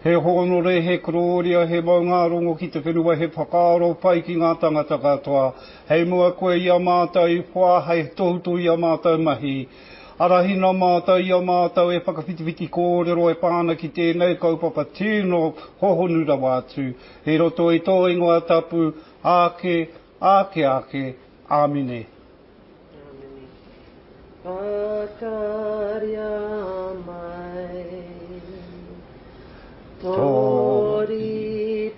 Kia ora koutou. Good afternoon, ladies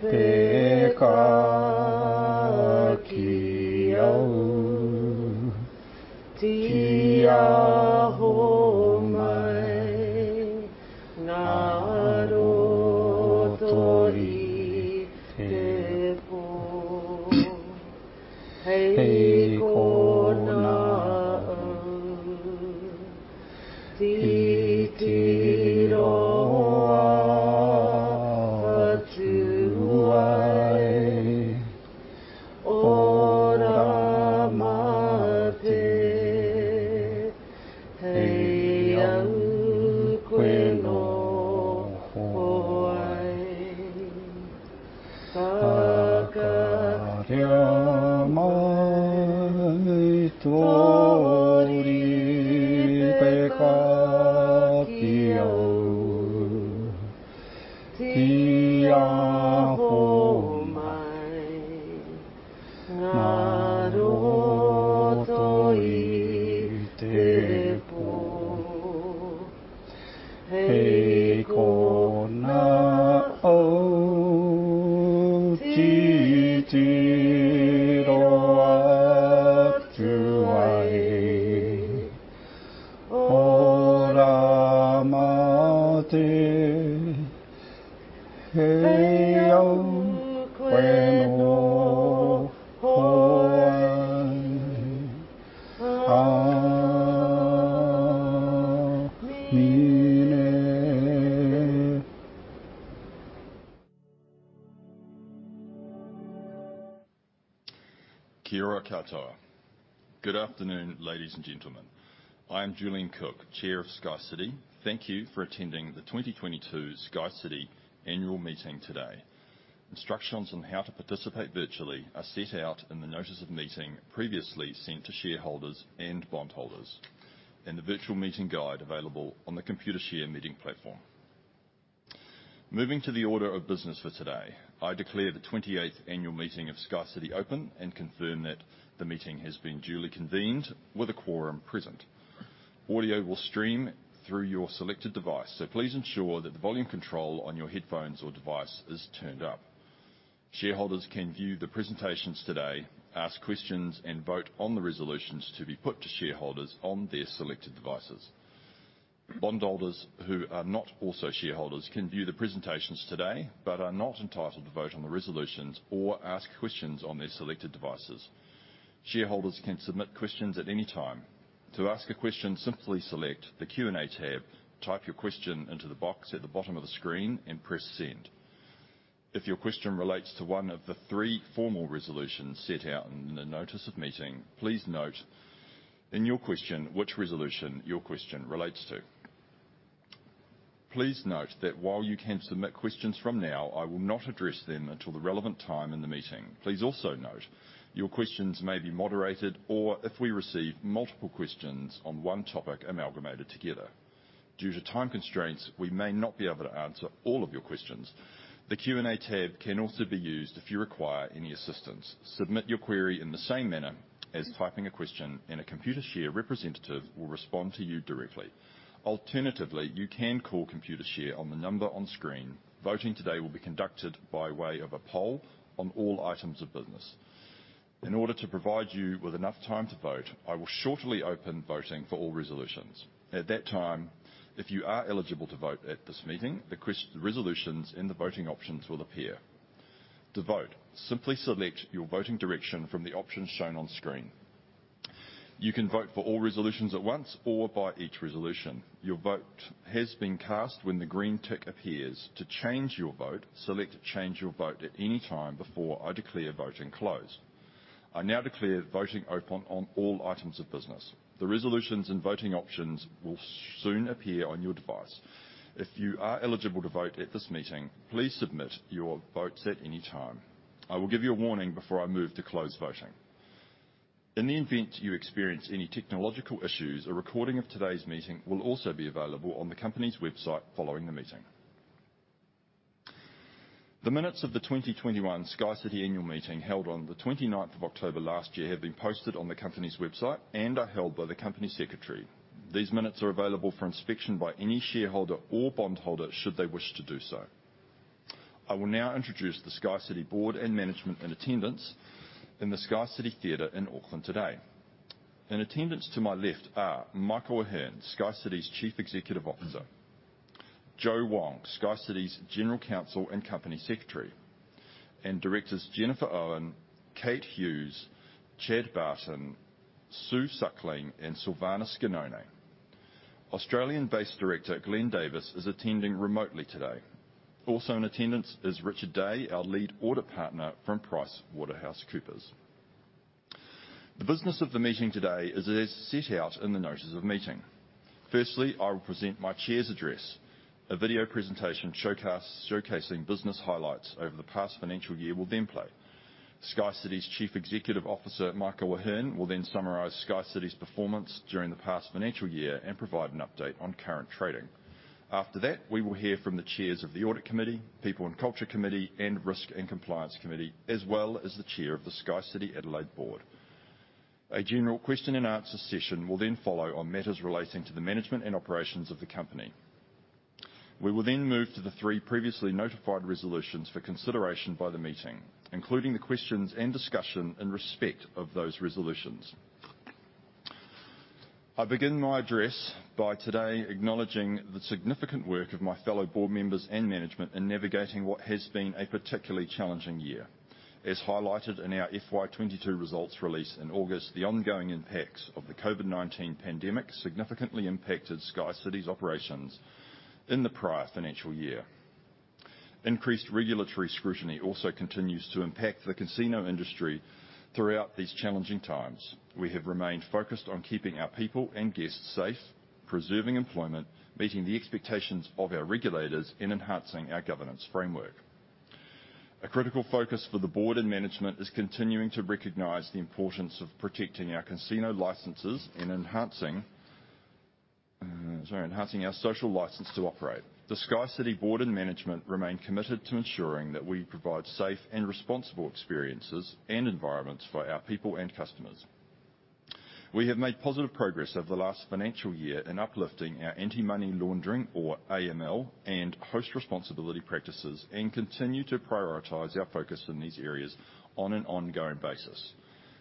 and gentlemen. I'm Julian Cook, Chair of SkyCity. Thank you for attending the 2022 SkyCity Annual Meeting today. Instructions on how to participate virtually are set out in the notice of meeting previously sent to shareholders and bondholders, and the virtual meeting guide available on the Computershare meeting platform. Moving to the order of business for today, I declare the 28th annual meeting of SkyCity open and confirm that the meeting has been duly convened with a quorum present. Audio will stream through your selected device, so please ensure that the volume control on your headphones or device is turned up. Shareholders can view the presentations today, ask questions, and vote on the resolutions to be put to shareholders on their selected devices. Bondholders who are not also shareholders can view the presentations today, but are not entitled to vote on the resolutions or ask questions on their selected devices. Shareholders can submit questions at any time. To ask a question, simply select the Q&A tab, type your question into the box at the bottom of the screen, and press send. If your question relates to one of the three formal resolutions set out in the notice of meeting, please note in your question which resolution your question relates to. Please note that while you can submit questions from now, I will not address them until the relevant time in the meeting. Please also note, your questions may be moderated or if we receive multiple questions on one topic amalgamated together. Due to time constraints, we may not be able to answer all of your questions. The Q&A tab can also be used if you require any assistance. Submit your query in the same manner as typing a question and a Computershare representative will respond to you directly. Alternatively, you can call Computershare on the number on screen. Voting today will be conducted by way of a poll on all items of business. In order to provide you with enough time to vote, I will shortly open voting for all resolutions. At that time, if you are eligible to vote at this meeting, the resolutions and the voting options will appear. To vote, simply select your voting direction from the options shown on screen. You can vote for all resolutions at once or by each resolution. Your vote has been cast when the green tick appears. To change your vote, select Change Your Vote at any time before I declare voting closed. I now declare voting open on all items of business. The resolutions and voting options will soon appear on your device. If you are eligible to vote at this meeting, please submit your votes at any time. I will give you a warning before I move to close voting. In the event you experience any technological issues, a recording of today's meeting will also be available on the company's website following the meeting. The minutes of the 2021 SkyCity Annual Meeting held on the 29th of October last year have been posted on the company's website and are held by the Company Secretary. These minutes are available for inspection by any shareholder or bondholder should they wish to do so. I will now introduce the SkyCity board and management in attendance in the SkyCity Theater in Auckland today. In attendance to my left are Michael Ahearne, SkyCity's Chief Executive Officer. Jo Wong, SkyCity's General Counsel and Company Secretary. Directors Jennifer Owen, Kate Hughes, Chad Barton, Sue Suckling, and Silvana Schenone. Australian-based director Glenn Davis is attending remotely today. Also in attendance is Richard Day, our lead audit partner from PricewaterhouseCoopers. The business of the meeting today is as set out in the notices of meeting. Firstly, I will present my chair's address. A video presentation showcasing business highlights over the past financial year will then play. SkyCity's Chief Executive Officer, Michael Ahearne, will then summarize SkyCity's performance during the past financial year and provide an update on current trading. After that, we will hear from the chairs of the audit committee, people and culture committee, and risk and compliance committee, as well as the chair of the SkyCity Adelaide board. A general question and answer session will then follow on matters relating to the management and operations of the company. We will then move to the three previously notified resolutions for consideration by the meeting, including the questions and discussion in respect of those resolutions. I begin my address by today acknowledging the significant work of my fellow board members and management in navigating what has been a particularly challenging year. As highlighted in our FY 2022 results release in August, the ongoing impacts of the COVID-19 pandemic significantly impacted SkyCity's operations in the prior financial year. Increased regulatory scrutiny also continues to impact the casino industry. Throughout these challenging times we have remained focused on keeping our people and guests safe, preserving employment, meeting the expectations of our regulators, and enhancing our governance framework. A critical focus for the board and management is continuing to recognize the importance of protecting our casino licenses and enhancing our social license to operate. The SkyCity board and management remain committed to ensuring that we provide safe and responsible experiences and environments for our people and customers. We have made positive progress over the last financial year in uplifting our anti-money laundering or AML and host responsibility practices, and continue to prioritize our focus in these areas on an ongoing basis.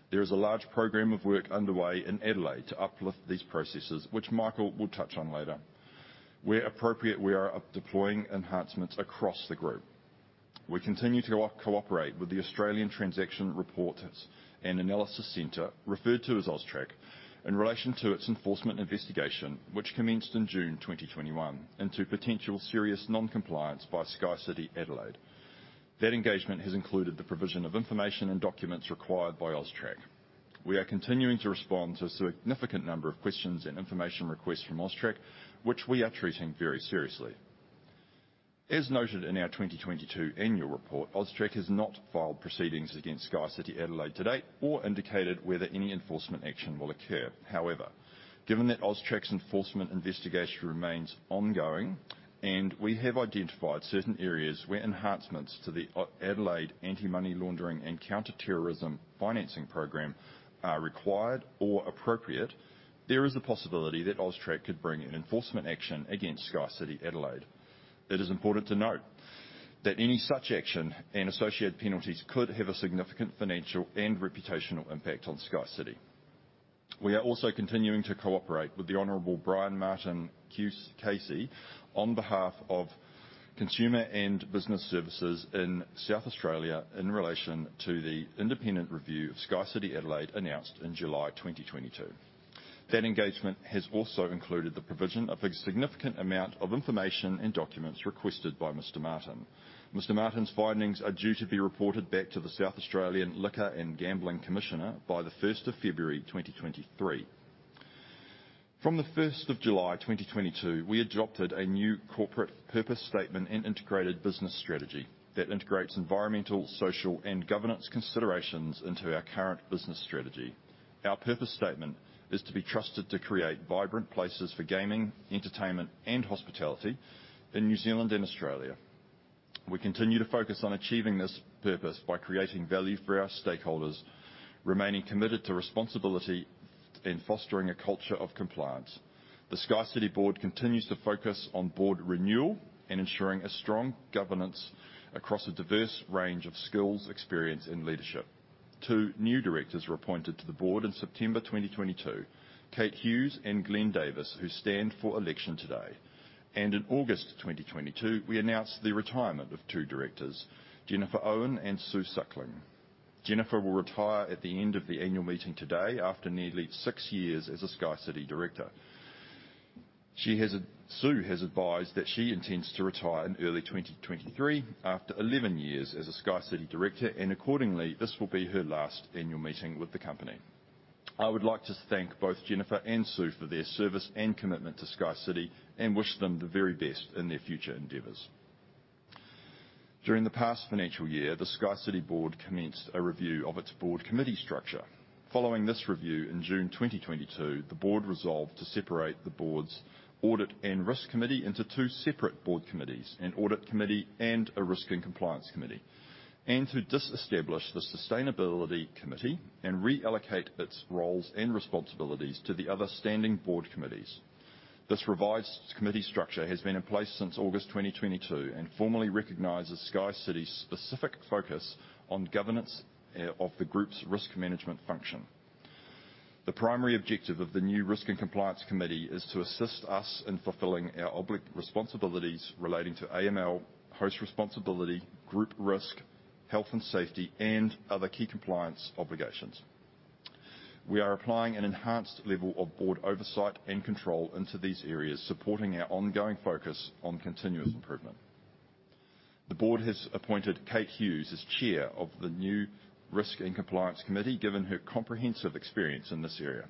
There is a large program of work underway in Adelaide to uplift these processes, which Michael will touch on later. Where appropriate, we are deploying enhancements across the group. We continue to cooperate with the Australian Transaction Reports and Analysis Centre, referred to as AUSTRAC, in relation to its enforcement investigation, which commenced in June 2021 into potential serious non-compliance by SkyCity Adelaide. That engagement has included the provision of information and documents required by AUSTRAC. We are continuing to respond to a significant number of questions and information requests from AUSTRAC, which we are treating very seriously. As noted in our 2022 annual report, AUSTRAC has not filed proceedings against SkyCity Adelaide to date or indicated whether any enforcement action will occur. However, given that AUSTRAC's enforcement investigation remains ongoing, and we have identified certain areas where enhancements to the Adelaide anti-money laundering and counter-terrorism financing program are required or appropriate, there is a possibility that AUSTRAC could bring an enforcement action against SkyCity Adelaide. It is important to note that any such action and associated penalties could have a significant financial and reputational impact on SkyCity. We are also continuing to cooperate with the Honorable Brian Martin KC on behalf of Consumer and Business Services in South Australia in relation to the independent review of SkyCity Adelaide, announced in July 2022. That engagement has also included the provision of a significant amount of information and documents requested by Mr. Martin. Mr. Martin's findings are due to be reported back to the South Australian Liquor and Gambling Commissioner by the first of February 2023. From the first of July 2022, we adopted a new corporate purpose statement and integrated business strategy that integrates environmental, social, and governance considerations into our current business strategy. Our purpose statement is to be trusted to create vibrant places for gaming, entertainment, and hospitality in New Zealand and Australia. We continue to focus on achieving this purpose by creating value for our stakeholders, remaining committed to responsibility, and fostering a culture of compliance. The SkyCity board continues to focus on board renewal and ensuring a strong governance across a diverse range of skills, experience, and leadership. Two new directors were appointed to the board in September 2022, Kate Hughes and Glenn Davis, who stand for election today. In August 2022, we announced the retirement of two directors, Jennifer Owen and Sue Suckling. Jennifer will retire at the end of the annual meeting today after nearly six years as a SkyCity director. Sue has advised that she intends to retire in early 2023 after 11 years as a SkyCity director, and accordingly, this will be her last annual meeting with the company. I would like to thank both Jennifer and Sue for their service and commitment to SkyCity, and wish them the very best in their future endeavors. During the past financial year, the SkyCity board commenced a review of its board committee structure. Following this review in June 2022, the board resolved to separate the board's audit and risk committee into two separate board committees, an audit committee and a risk and compliance committee. To disestablish the sustainability committee and reallocate its roles and responsibilities to the other standing board committees. This revised committee structure has been in place since August 2022 and formally recognizes SkyCity's specific focus on governance, of the group's risk management function. The primary objective of the new risk and compliance committee is to assist us in fulfilling our responsibilities relating to AML, Host Responsibility, group risk, health and safety, and other key compliance obligations. We are applying an enhanced level of board oversight and control into these areas, supporting our ongoing focus on continuous improvement. The board has appointed Kate Hughes as chair of the new Risk and Compliance Committee, given her comprehensive experience in this area.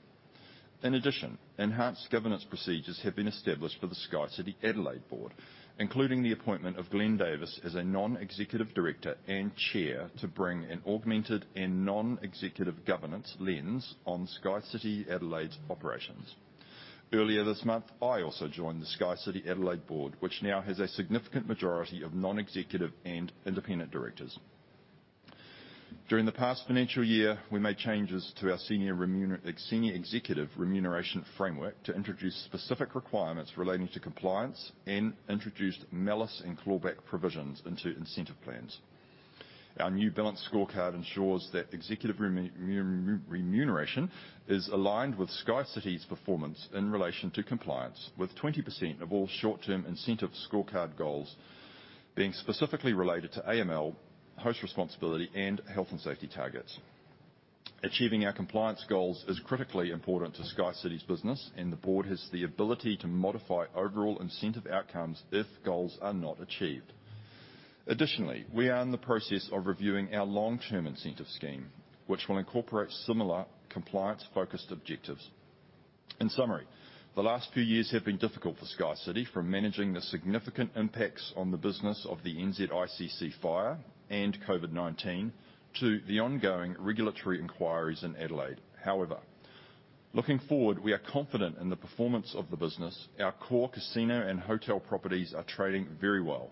In addition, enhanced governance procedures have been established for the SkyCity Adelaide board, including the appointment of Glenn Davis as a non-executive director and chair to bring an augmented and non-executive governance lens on SkyCity Adelaide operations. Earlier this month, I also joined the SkyCity Adelaide board, which now has a significant majority of non-executive and independent directors. During the past financial year, we made changes to our senior executive remuneration framework to introduce specific requirements relating to compliance and introduced malus and clawback provisions into incentive plans. Our new balanced scorecard ensures that executive remuneration is aligned with SkyCity's performance in relation to compliance, with 20% of all short-term incentive scorecard goals being specifically related to AML, Host Responsibility, and health and safety targets. Achieving our compliance goals is critically important to SkyCity's business, and the board has the ability to modify overall incentive outcomes if goals are not achieved. Additionally, we are in the process of reviewing our long-term incentive scheme, which will incorporate similar compliance-focused objectives. In summary, the last few years have been difficult for SkyCity, from managing the significant impacts on the business of the NZICC fire and COVID-19 to the ongoing regulatory inquiries in Adelaide. However, looking forward, we are confident in the performance of the business. Our core casino and hotel properties are trading very well.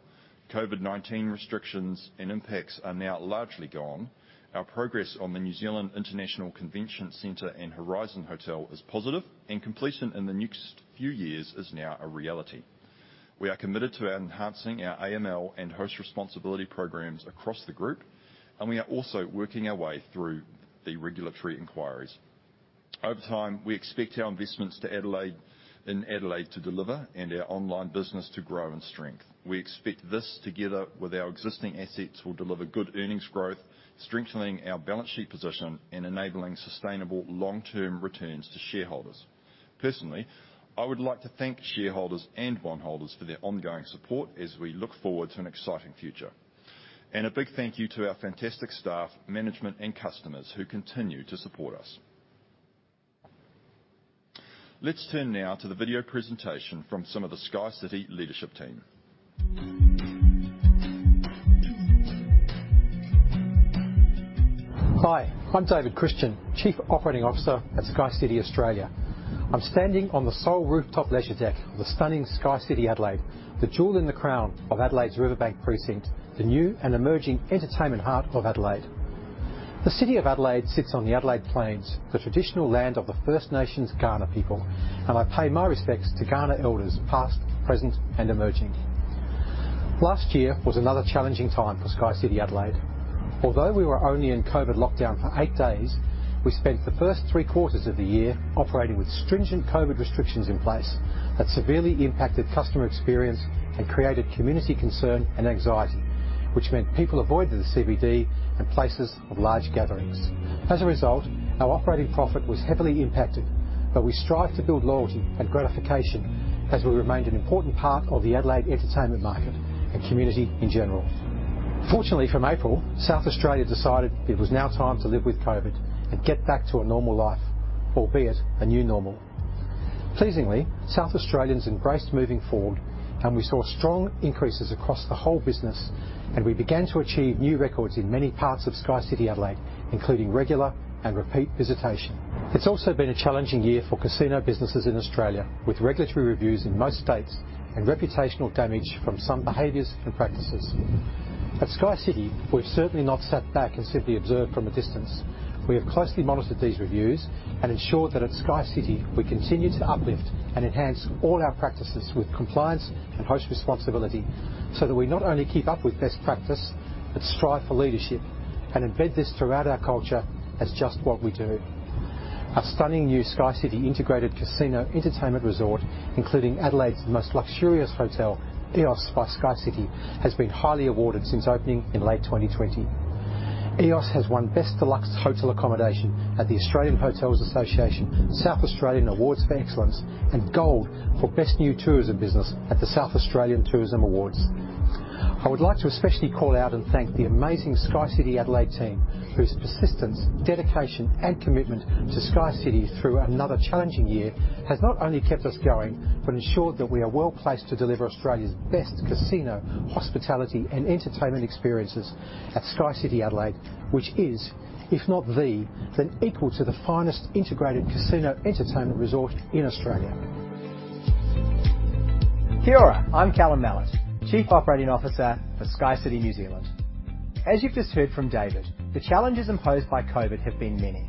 COVID-19 restrictions and impacts are now largely gone. Our progress on the New Zealand International Convention Centre and Horizon by SkyCity is positive, and completion in the next few years is now a reality. We are committed to enhancing our AML and Host Responsibility programs across the group, and we are also working our way through the regulatory inquiries. Over time, we expect our investments to Adelaide, in Adelaide to deliver and our online business to grow in strength. We expect this, together with our existing assets, will deliver good earnings growth, strengthening our balance sheet position and enabling sustainable long-term returns to shareholders. Personally, I would like to thank shareholders and bondholders for their ongoing support as we look forward to an exciting future. A big thank you to our fantastic staff, management, and customers who continue to support us. Let's turn now to the video presentation from some of the SkyCity leadership team. Hi, I'm David Christian, Chief Operating Officer at SkyCity Australia. I'm standing on the Sol rooftop leisure deck of the stunning SkyCity Adelaide, the jewel in the crown of Adelaide's Riverbank precinct, the new and emerging entertainment heart of Adelaide. The city of Adelaide sits on the Adelaide Plains, the traditional land of the First Nations Kaurna people, and I pay my respects to Kaurna elders, past, present, and emerging. Last year was another challenging time for SkyCity Adelaide. Although we were only in COVID lockdown for eight days, we spent the first three quarters of the year operating with stringent COVID restrictions in place that severely impacted customer experience and created community concern and anxiety, which meant people avoided the CBD and places of large gatherings. As a result, our operating profit was heavily impacted, but we strived to build loyalty and gratification as we remained an important part of the Adelaide entertainment market and community in general. Fortunately from April, South Australia decided it was now time to live with COVID and get back to a normal life, albeit a new normal. Pleasingly, South Australians embraced moving forward, and we saw strong increases across the whole business, and we began to achieve new records in many parts of SkyCity Adelaide, including regular and repeat visitation. It's also been a challenging year for casino businesses in Australia, with regulatory reviews in most states and reputational damage from some behaviors and practices. At SkyCity, we've certainly not sat back and simply observed from a distance. We have closely monitored these reviews and ensured that at SkyCity, we continue to uplift and enhance all our practices with compliance and host responsibility, so that we not only keep up with best practice, but strive for leadership and embed this throughout our culture as just what we do. Our stunning new SkyCity integrated casino entertainment resort, including Adelaide's most luxurious hotel, Eos by SkyCity, has been highly awarded since opening in late 2020. Eos has won best deluxe hotel accommodation at the Australian Hotels Association, South Australian Awards for Excellence, and gold for best new tourism business at the South Australian Tourism Awards. I would like to especially call out and thank the amazing SkyCity Adelaide team, whose persistence, dedication, and commitment to SkyCity through another challenging year has not only kept us going, but ensured that we are well placed to deliver Australia's best casino, hospitality, and entertainment experiences at SkyCity Adelaide, which is, if not the, then equal to the finest integrated casino entertainment resort in Australia. Kia ora. I'm Callum Mallett, Chief Operating Officer for SkyCity New Zealand. As you've just heard from David, the challenges imposed by COVID have been many.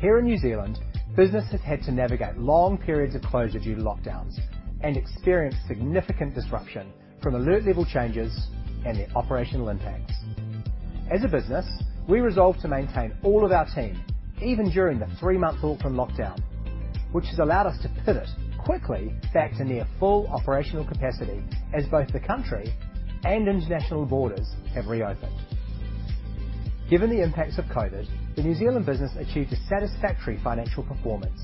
Here in New Zealand, businesses had to navigate long periods of closure due to lockdowns and experienced significant disruption from alert level changes and their operational impacts. As a business, we resolved to maintain all of our team, even during the three-month Auckland lockdown, which has allowed us to pivot quickly back to near full operational capacity as both the country and international borders have reopened. Given the impacts of COVID, the New Zealand business achieved a satisfactory financial performance.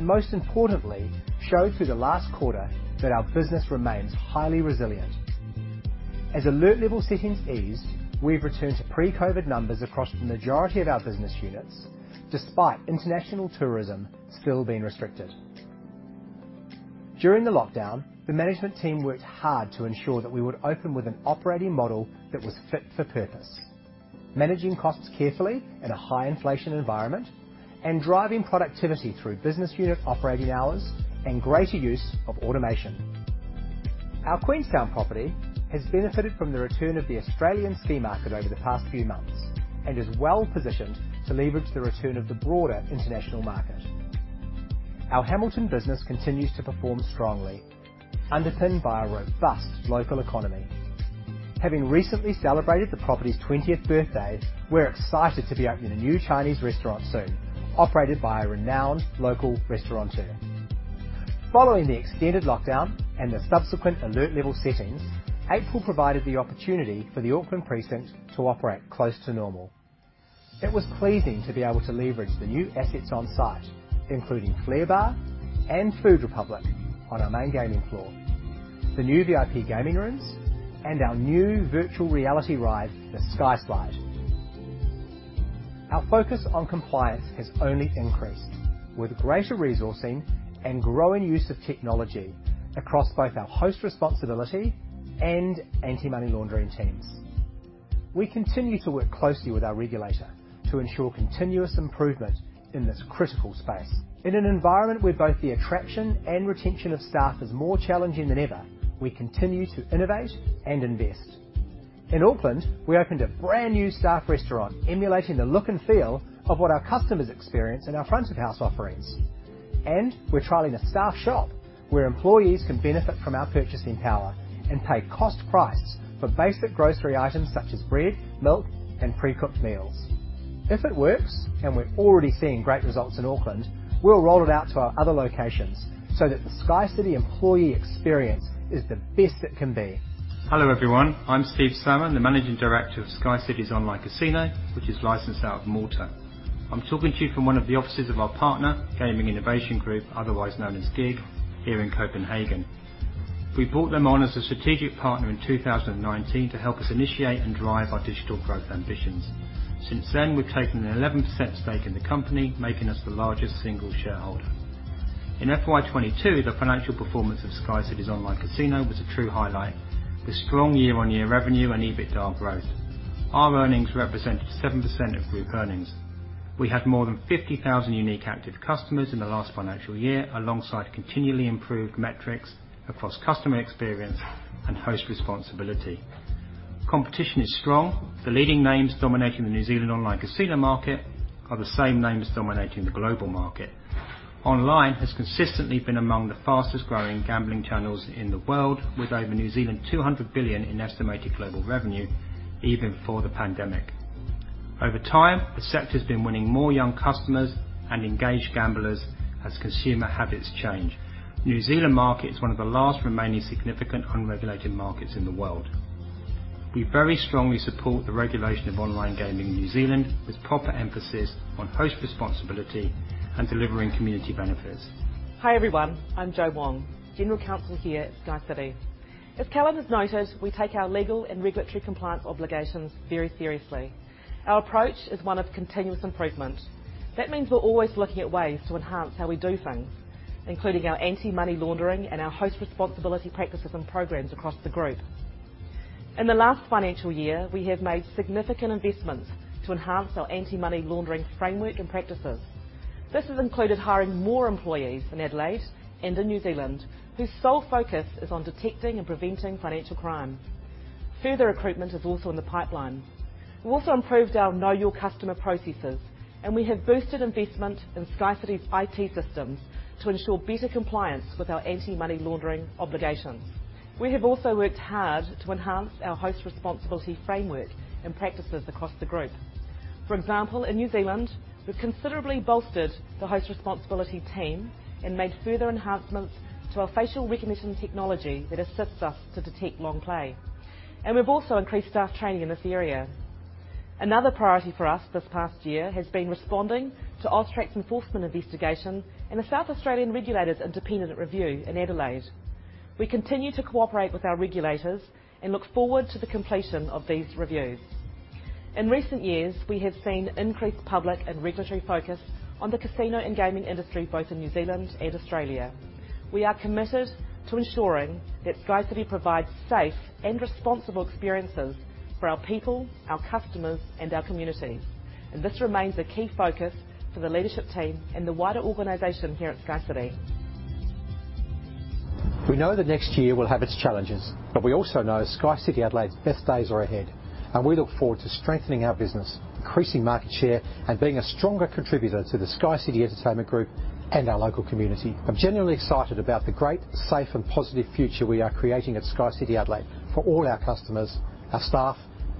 Most importantly, showed through the last quarter that our business remains highly resilient. As alert level settings eased, we've returned to pre-COVID numbers across the majority of our business units, despite international tourism still being restricted. During the lockdown, the management team worked hard to ensure that we would open with an operating model that was fit for purpose. Managing costs carefully in a high inflation environment and driving productivity through business unit operating hours and greater use of automation. Our Queenstown property has benefited from the return of the Australian ski market over the past few months, and is well-positioned to leverage the return of the broader international market. Our Hamilton business continues to perform strongly, underpinned by a robust local economy. Having recently celebrated the property's twentieth birthday, we're excited to be opening a new Chinese restaurant soon, operated by a renowned local restaurateur. Following the extended lockdown and the subsequent alert level settings, April provided the opportunity for the Auckland precinct to operate close to normal. It was pleasing to be able to leverage the new assets on-site, including Flair Bar and Food Republic on our Main Gaming Floor, the new VIP gaming rooms and our new virtual reality ride, the Sky Slide. Our focus on compliance has only increased with greater resourcing and growing use of technology across both our Host Responsibility and anti-money laundering teams. We continue to work closely with our regulator to ensure continuous improvement in this critical space. In an environment where both the attraction and retention of staff is more challenging than ever, we continue to innovate and invest. In Auckland, we opened a brand new staff restaurant emulating the look and feel of what our customers experience in our front of house offerings. We're trialing a staff shop where employees can benefit from our purchasing power and pay cost prices for basic grocery items such as bread, milk, and pre-cooked meals. If it works, and we're already seeing great results in Auckland, we'll roll it out to our other locations so that the SkyCity employee experience is the best it can be. Hello, everyone. I'm Steve Salmon, the Managing Director of SkyCity's online casino, which is licensed out of Malta. I'm talking to you from one of the offices of our partner, Gaming Innovation Group, otherwise known as GiG, here in Copenhagen. We brought them on as a strategic partner in 2019 to help us initiate and drive our digital growth ambitions. Since then, we've taken an 11% stake in the company, making us the largest single shareholder. In FY 2022, the financial performance of SkyCity's online casino was a true highlight with strong year-over-year revenue and EBITDA growth. Our earnings represented 7% of group earnings. We had more than 50,000 unique active customers in the last financial year, alongside continually improved metrics across customer experience and host responsibility. Competition is strong. The leading names dominating the New Zealand online casino market are the same names dominating the global market. Online has consistently been among the fastest-growing gambling channels in the world, with over 200 billion in estimated global revenue even before the pandemic. Over time, the sector's been winning more young customers and engaged gamblers as consumer habits change. New Zealand market is one of the last remaining significant unregulated markets in the world. We very strongly support the regulation of online gaming in New Zealand with proper emphasis on Host Responsibility and delivering community benefits. Hi, everyone. I'm Jo Wong, General Counsel here at SkyCity. As Julian Cook has noted, we take our legal and regulatory compliance obligations very seriously. Our approach is one of continuous improvement. That means we're always looking at ways to enhance how we do things, including our anti-money laundering and our host responsibility practices and programs across the group. In the last financial year, we have made significant investments to enhance our anti-money laundering framework and practices. This has included hiring more employees in Adelaide and in New Zealand, whose sole focus is on detecting and preventing financial crime. Further recruitment is also in the pipeline. We've also improved our Know Your Customer processes, and we have boosted investment in SkyCity's IT systems to ensure better compliance with our anti-money laundering obligations. We have also worked hard to enhance our host responsibility framework and practices across the group. For example, in New Zealand, we've considerably bolstered the Host Responsibility team and made further enhancements to our facial recognition technology that assists us to detect long play. We've also increased staff training in this area. Another priority for us this past year has been responding to AUSTRAC's enforcement investigation and the South Australian Regulator's independent review in Adelaide. We continue to cooperate with our regulators and look forward to the completion of these reviews. In recent years, we have seen increased public and regulatory focus on the casino and gaming industry, both in New Zealand and Australia. We are committed to ensuring that SkyCity provides safe and responsible experiences for our people, our customers, and our community. This remains a key focus for the leadership team and the wider organization here at SkyCity. We know the next year will have its challenges, but we also know SkyCity Adelaide's best days are ahead, and we look forward to strengthening our business, increasing market share, and being a stronger contributor to the SkyCity Entertainment Group and our local community. I'm genuinely excited about the great, safe, and positive future we are creating at SkyCity Adelaide for all our customers, our staff,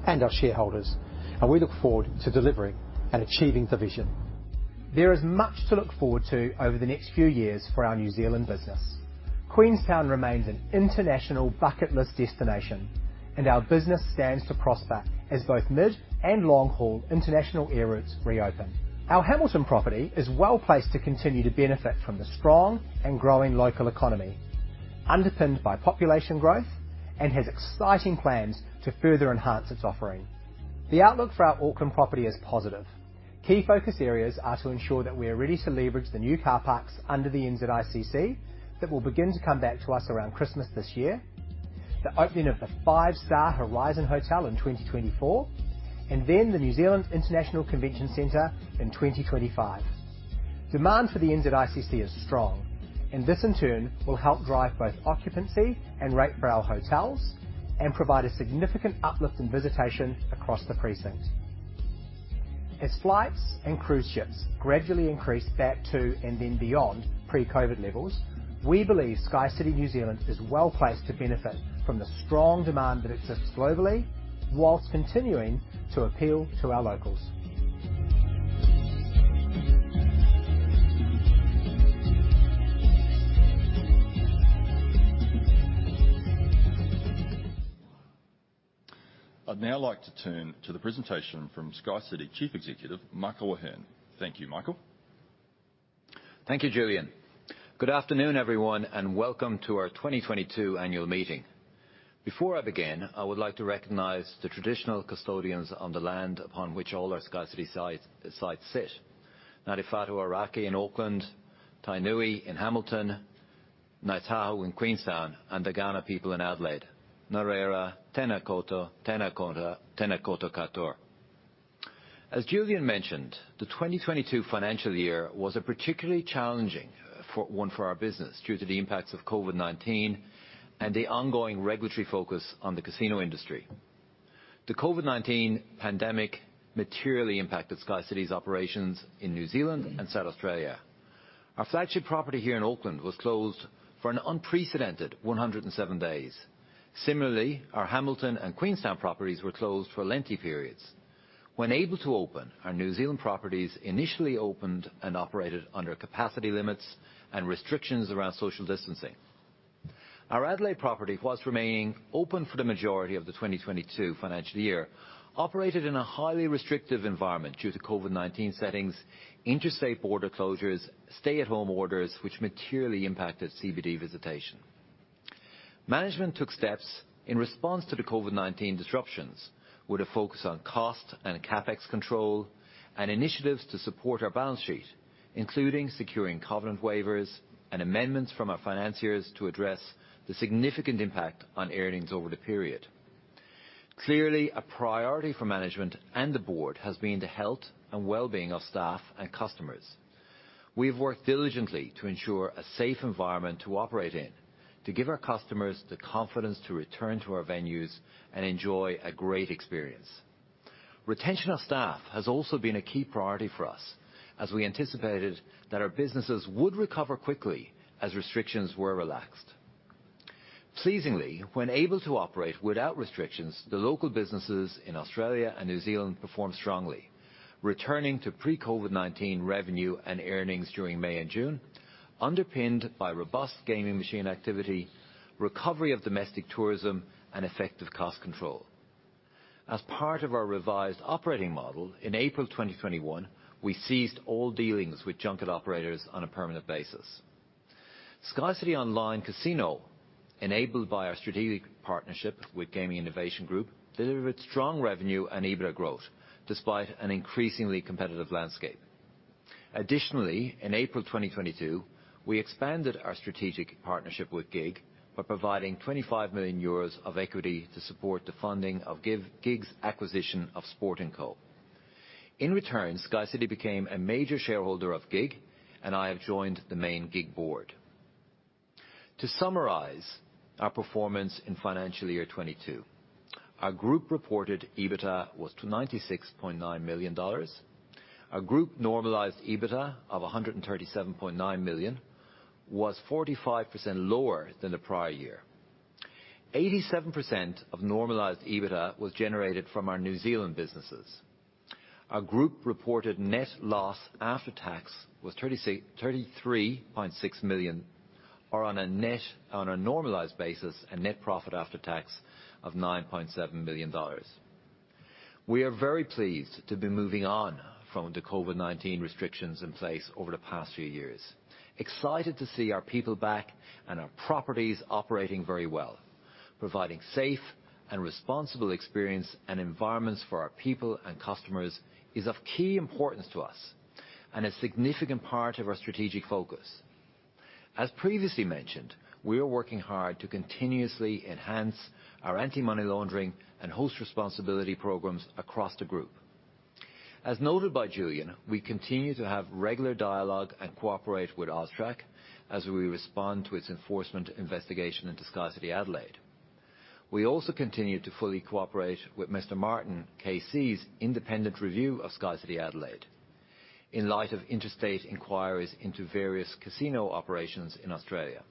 and our shareholders, and we look forward to delivering and achieving the vision. There is much to look forward to over the next few years for our New Zealand business. Queenstown remains an international bucket list destination, and our business stands to prosper as both mid and long-haul international air routes reopen. Our Hamilton property is well-placed to continue to benefit from the strong and growing local economy, underpinned by population growth, and has exciting plans to further enhance its offering. The outlook for our Auckland property is positive. Key focus areas are to ensure that we are ready to leverage the new car parks under the NZICC that will begin to come back to us around Christmas this year, the opening of the five-star Horizon Hotel in 2024, and then the New Zealand International Convention Centre in 2025. Demand for the NZICC is strong, and this in turn will help drive both occupancy and rate for our hotels and provide a significant uplift in visitation across the precinct. As flights and cruise ships gradually increase back to and then beyond pre-COVID levels, we believe SkyCity New Zealand is well-placed to benefit from the strong demand that exists globally while continuing to appeal to our locals. I'd now like to turn to the presentation from SkyCity Chief Executive, Michael Ahearne. Thank you, Michael. Thank you, Julian. Good afternoon, everyone, and welcome to our 2022 annual meeting. Before I begin, I would like to recognize the traditional custodians on the land upon which all our SkyCity sites sit. Ngāti Whātua Ōrākei in Auckland, Tainui in Hamilton, Ngāi Tahu in Queenstown, and the Kaurna people in Adelaide. Ngā mihi tena koutou, tena koutou, tena koutou katoa. As Julian mentioned, the 2022 financial year was a particularly challenging one for our business due to the impacts of COVID-19 and the ongoing regulatory focus on the casino industry. The COVID-19 pandemic materially impacted SkyCity's operations in New Zealand and South Australia. Our flagship property here in Auckland was closed for an unprecedented 107 days. Similarly, our Hamilton and Queenstown properties were closed for lengthy periods. When able to open, our New Zealand properties initially opened and operated under capacity limits and restrictions around social distancing. Our Adelaide property, while remaining open for the majority of the 2022 financial year, operated in a highly restrictive environment due to COVID-19 settings, interstate border closures, stay-at-home orders which materially impacted CBD visitation. Management took steps in response to the COVID-19 disruptions with a focus on cost and CapEx control and initiatives to support our balance sheet, including securing covenant waivers and amendments from our financiers to address the significant impact on earnings over the period. Clearly, a priority for management and the board has been the health and wellbeing of staff and customers. We've worked diligently to ensure a safe environment to operate in to give our customers the confidence to return to our venues and enjoy a great experience. Retention of staff has also been a key priority for us as we anticipated that our businesses would recover quickly as restrictions were relaxed. Pleasingly, when able to operate without restrictions, the local businesses in Australia and New Zealand performed strongly, returning to pre-COVID-19 revenue and earnings during May and June, underpinned by robust gaming machine activity, recovery of domestic tourism, and effective cost control. As part of our revised operating model in April 2021, we ceased all dealings with junket operators on a permanent basis. SkyCity Online Casino, enabled by our strategic partnership with Gaming Innovation Group, delivered strong revenue and EBITDA growth despite an increasingly competitive landscape. Additionally, in April 2022, we expanded our strategic partnership with GiG by providing 25 million euros of equity to support the funding of GiG's acquisition of Sportnco. In return, SkyCity became a major shareholder of GiG, and I have joined the main GiG board. To summarize, our performance in financial year 2022, our group reported EBITDA was NZD 96.9 million. Our group normalized EBITDA of NZD 137.9 million was 45% lower than the prior year. 87% of normalized EBITDA was generated from our New Zealand businesses. Our group reported net loss after tax was thirty-three point six million or on a normalized basis, a net profit after tax of 9.7 million dollars. We are very pleased to be moving on from the COVID-19 restrictions in place over the past few years, excited to see our people back and our properties operating very well. Providing safe and responsible experience and environments for our people and customers is of key importance to us and a significant part of our strategic focus. As previously mentioned, we are working hard to continuously enhance our anti-money laundering and host responsibility programs across the group. As noted by Julian, we continue to have regular dialogue and cooperate with AUSTRAC as we respond to its enforcement investigation into SkyCity Adelaide. We also continue to fully cooperate with Mr. Martin KC's independent review of SkyCity Adelaide in light of interstate inquiries into various casino operations in Australia.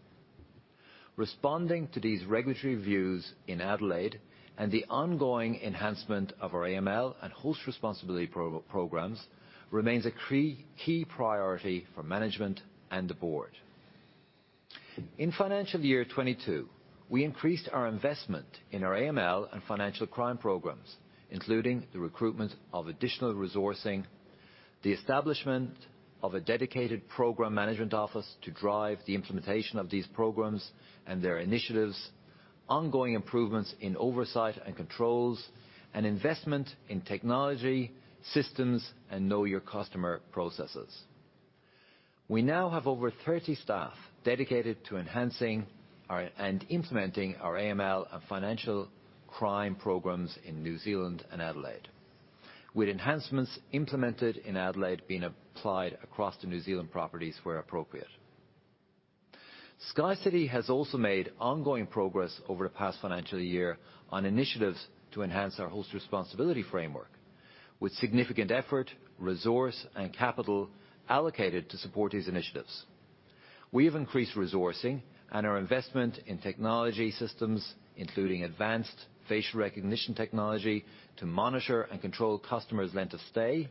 Responding to these regulatory views in Adelaide and the ongoing enhancement of our AML and host responsibility programs remains a key priority for management and the board. In financial year 2022, we increased our investment in our AML and financial crime programs, including the recruitment of additional resourcing, the establishment of a dedicated program management office to drive the implementation of these programs and their initiatives, ongoing improvements in oversight and controls, and investment in technology, systems, and Know Your Customer processes. We now have over 30 staff dedicated to enhancing and implementing our AML and financial crime programs in New Zealand and Adelaide. With enhancements implemented in Adelaide being applied across the New Zealand properties where appropriate. SkyCity has also made ongoing progress over the past financial year on initiatives to enhance our Host Responsibility framework with significant effort, resource, and capital allocated to support these initiatives. We have increased resourcing and our investment in technology systems, including advanced facial recognition technology to monitor and control customer's length of stay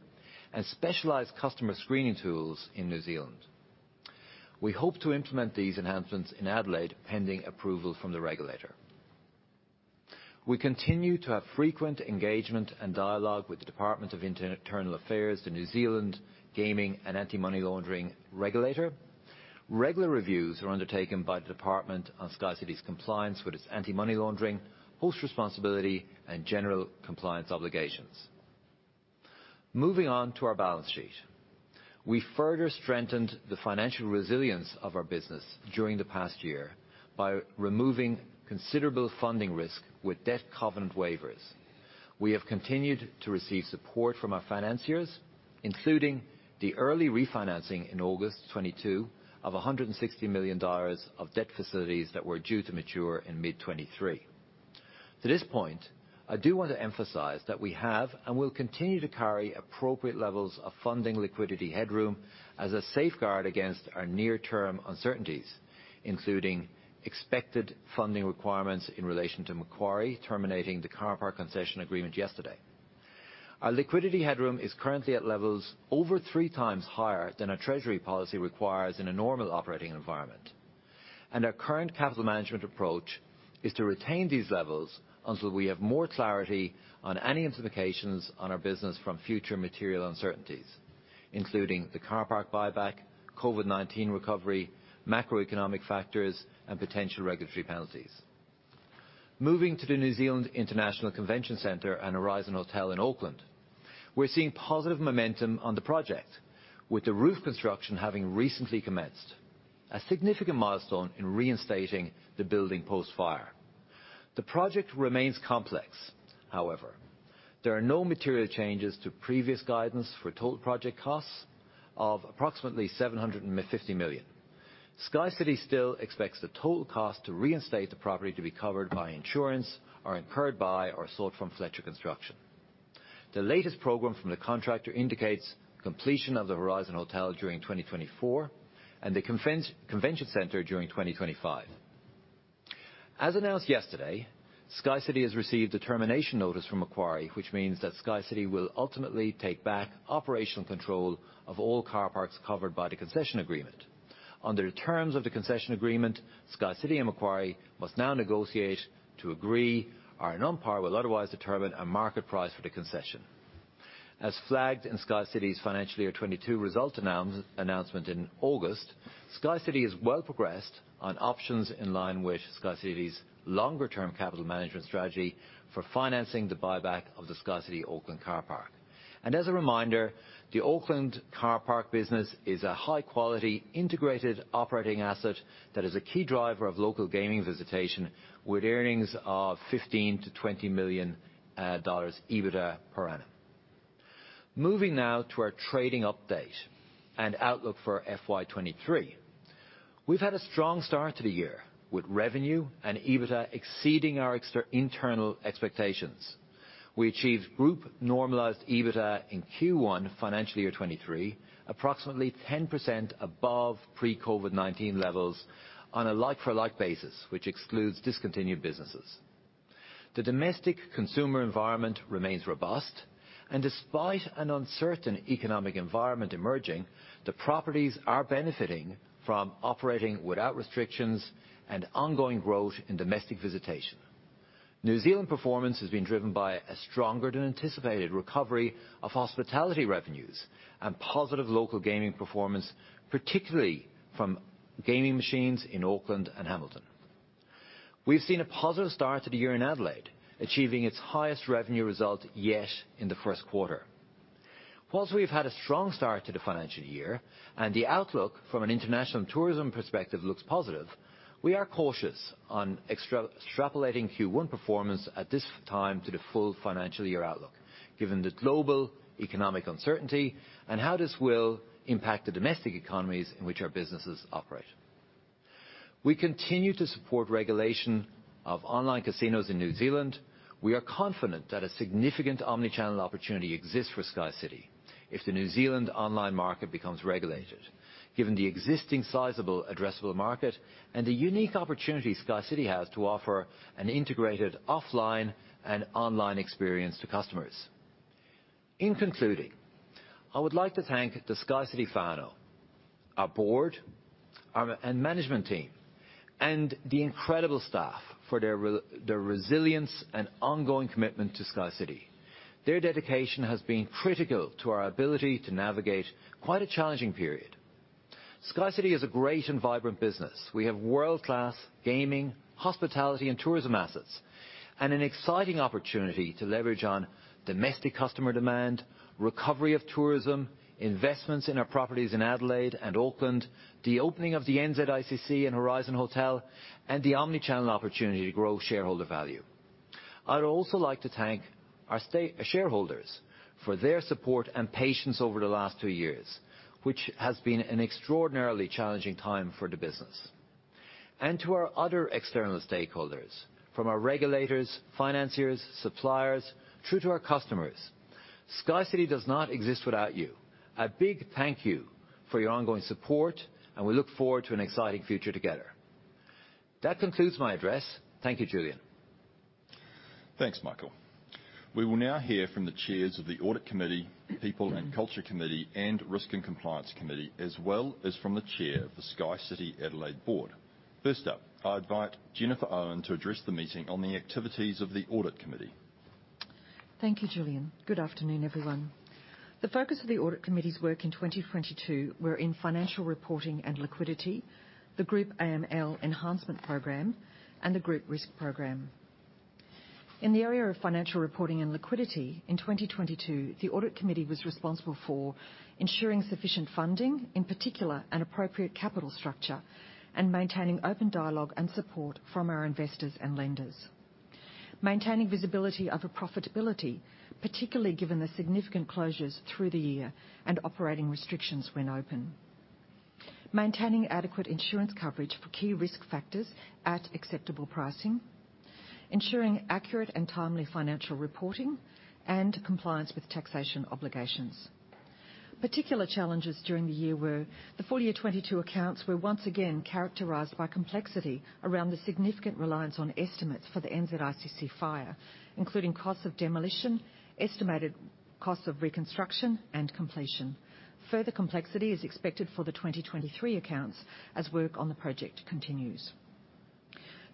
and specialized customer screening tools in New Zealand. We hope to implement these enhancements in Adelaide, pending approval from the regulator. We continue to have frequent engagement and dialogue with the Department of Internal Affairs, the New Zealand gaming and anti-money laundering regulator. Regular reviews are undertaken by the department on SkyCity's compliance with its anti-money laundering, host responsibility, and general compliance obligations. Moving on to our balance sheet. We further strengthened the financial resilience of our business during the past year by removing considerable funding risk with debt covenant waivers. We have continued to receive support from our financiers, including the early refinancing in August 2022 of NZD 160 million of debt facilities that were due to mature in mid-2023. To this point, I do want to emphasize that we have, and will continue to carry appropriate levels of funding liquidity headroom as a safeguard against our near-term uncertainties, including expected funding requirements in relation to Macquarie terminating the car park concession agreement yesterday. Our liquidity headroom is currently at levels over three times higher than our treasury policy requires in a normal operating environment. Our current capital management approach is to retain these levels until we have more clarity on any implications on our business from future material uncertainties, including the car park buyback, COVID-19 recovery, macroeconomic factors, and potential regulatory penalties. Moving to the New Zealand International Convention Centre and Horizon Hotel in Auckland, we're seeing positive momentum on the project with the roof construction having recently commenced, a significant milestone in reinstating the building post-fire. The project remains complex, however. There are no material changes to previous guidance for total project costs of approximately 750 million. SkyCity still expects the total cost to reinstate the property to be covered by insurance or incurred by or sought from Fletcher Construction. The latest program from the contractor indicates completion of the Horizon Hotel during 2024, and the convention center during 2025. As announced yesterday, SkyCity has received a termination notice from Macquarie, which means that SkyCity will ultimately take back operational control of all car parks covered by the concession agreement. Under the terms of the concession agreement, SkyCity and Macquarie must now negotiate to agree or an umpire will otherwise determine a market price for the concession. As flagged in SkyCity's FY 2022 results announcement in August, SkyCity is well progressed on options in line with SkyCity's longer term capital management strategy for financing the buyback of the SkyCity Auckland Car Park. As a reminder, the Auckland car park business is a high quality integrated operating asset that is a key driver of local gaming visitation with earnings of 15-20 million dollars EBITDA per annum. Moving now to our trading update and outlook for FY 2023. We've had a strong start to the year with revenue and EBITDA exceeding our internal expectations. We achieved group normalized EBITDA in Q1 FY 2023, approximately 10% above pre-COVID-19 levels on a like for like basis, which excludes discontinued businesses. The domestic consumer environment remains robust, and despite an uncertain economic environment emerging, the properties are benefiting from operating without restrictions and ongoing growth in domestic visitation. New Zealand performance has been driven by a stronger than anticipated recovery of hospitality revenues and positive local gaming performance, particularly from gaming machines in Auckland and Hamilton. We've seen a positive start to the year in Adelaide, achieving its highest revenue result yet in the first quarter. While we've had a strong start to the financial year, and the outlook from an international tourism perspective looks positive, we are cautious on extrapolating Q1 performance at this time to the full financial year outlook, given the global economic uncertainty and how this will impact the domestic economies in which our businesses operate. We continue to support regulation of online casinos in New Zealand. We are confident that a significant omnichannel opportunity exists for SkyCity if the New Zealand online market becomes regulated. Given the existing sizable addressable market and the unique opportunity SkyCity has to offer an integrated offline and online experience to customers. In concluding, I would like to thank the SkyCity whānau, our board and management team, and the incredible staff for their resilience and ongoing commitment to SkyCity. Their dedication has been critical to our ability to navigate quite a challenging period. SkyCity is a great and vibrant business. We have world-class gaming, hospitality, and tourism assets, and an exciting opportunity to leverage on domestic customer demand, recovery of tourism, investments in our properties in Adelaide and Auckland, the opening of the NZICC and Horizon Hotel, and the omnichannel opportunity to grow shareholder value. I'd also like to thank our shareholders for their support and patience over the last two years, which has been an extraordinarily challenging time for the business. To our other external stakeholders, from our regulators, financiers, suppliers, through to our customers, SkyCity does not exist without you. A big thank you for your ongoing support, and we look forward to an exciting future together. That concludes my address. Thank you, Julian. Thanks Michael we will now hear from the chairs of the Audit Committee, People and Culture Committee, and Risk and Compliance Committee, as well as from the chair of the SkyCity Adelaide Board. First up, I invite Jennifer Owen to address the meeting on the activities of the Audit Committee. Thank you Julian. Good afternoon, everyone. The focus of the Audit Committee's work in 2022 were in financial reporting and liquidity, the Group AML enhancement program, and the Group risk program. In the area of financial reporting and liquidity, in 2022, the Audit Committee was responsible for ensuring sufficient funding, in particular, an appropriate capital structure, and maintaining open dialogue and support from our investors and lenders. Maintaining visibility on profitability, particularly given the significant closures through the year and operating restrictions when open. Maintaining adequate insurance coverage for key risk factors at acceptable pricing. Ensuring accurate and timely financial reporting, and compliance with taxation obligations. Particular challenges during the year were the full year 2022 accounts were once again characterized by complexity around the significant reliance on estimates for the NZICC fire, including cost of demolition, estimated cost of reconstruction, and completion. Further complexity is expected for the 2023 accounts as work on the project continues.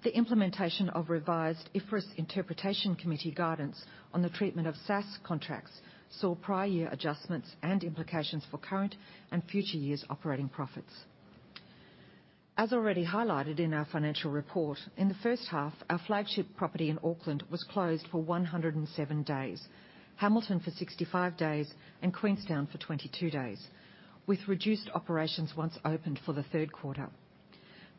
The implementation of revised IFRS Interpretation Committee guidance on the treatment of SaaS contracts saw prior year adjustments and implications for current and future years' operating profits. As already highlighted in our financial report, in the first half, our flagship property in Auckland was closed for 107 days, Hamilton for 65 days, and Queenstown for 22 days, with reduced operations once opened for the third quarter.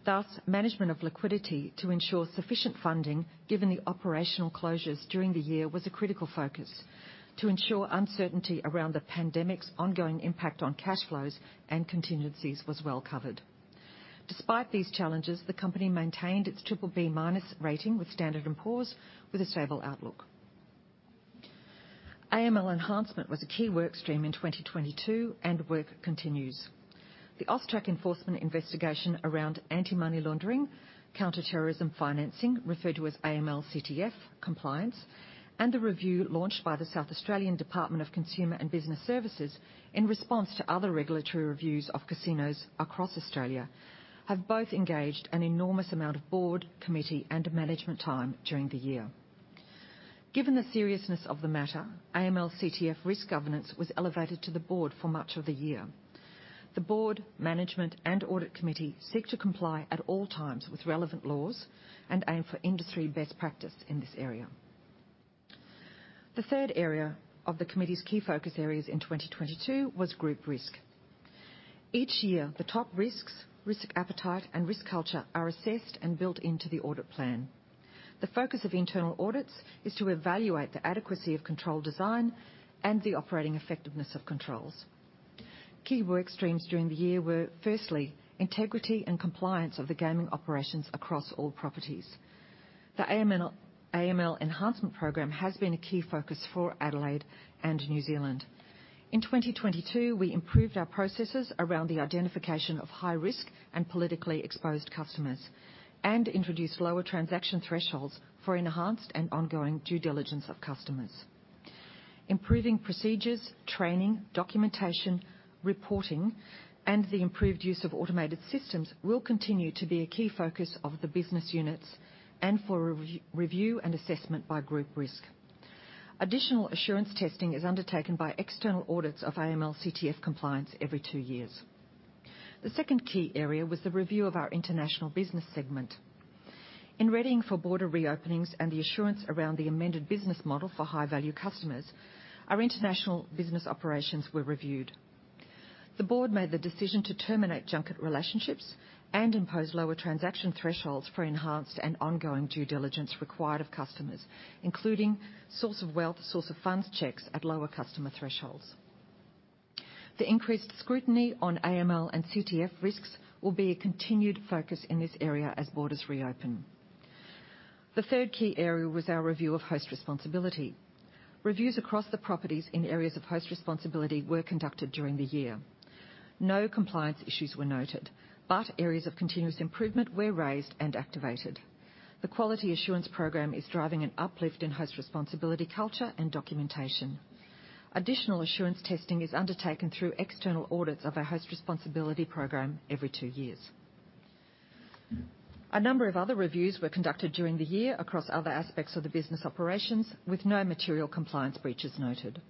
Thus, management of liquidity to ensure sufficient funding, given the operational closures during the year, was a critical focus to ensure uncertainty around the pandemic's ongoing impact on cash flows and contingencies was well covered. Despite these challenges, the company maintained its BBB- rating with Standard & Poor's with a stable outlook. AML enhancement was a key work stream in 2022, and work continues. The AUSTRAC enforcement investigation around anti-money laundering, counter-terrorism financing, referred to as AML/CTF compliance, and the review launched by the South Australian Department of Consumer and Business Services in response to other regulatory reviews of casinos across Australia, have both engaged an enormous amount of board, committee, and management time during the year. Given the seriousness of the matter, AML/CTF risk governance was elevated to the board for much of the year. The board, management, and Audit Committee seek to comply at all times with relevant laws and aim for industry best practice in this area. The third area of the committee's key focus areas in 2022 was group risk. Each year, the top risks, risk appetite, and risk culture are assessed and built into the audit plan. The focus of internal audits is to evaluate the adequacy of control design and the operating effectiveness of controls. Key work streams during the year were, firstly, integrity and compliance of the gaming operations across all properties. The AML enhancement program has been a key focus for Adelaide and New Zealand. In 2022, we improved our processes around the identification of high-risk and politically exposed customers, and introduced lower transaction thresholds for enhanced and ongoing due diligence of customers. Improving procedures, training, documentation, reporting, and the improved use of automated systems will continue to be a key focus of the business units and for review and assessment by group risk. Additional assurance testing is undertaken by external audits of AML/CTF compliance every two years. The second key area was the review of our international business segment. In readying for border reopenings and the assurance around the amended business model for high-value customers, our international business operations were reviewed. The board made the decision to terminate junket relationships and impose lower transaction thresholds for enhanced and ongoing due diligence required of customers, including source of wealth, source of funds checks at lower customer thresholds. The increased scrutiny on AML and CTF risks will be a continued focus in this area as borders reopen. The third key area was our review of host responsibility. Reviews across the properties in areas of host responsibility were conducted during the year. No compliance issues were noted, but areas of continuous improvement were raised and activated. The quality assurance program is driving an uplift in host responsibility culture and documentation. Additional assurance testing is undertaken through external audits of our host responsibility program every two years. A number of other reviews were conducted during the year across other aspects of the business operations, with no material compliance breaches noted.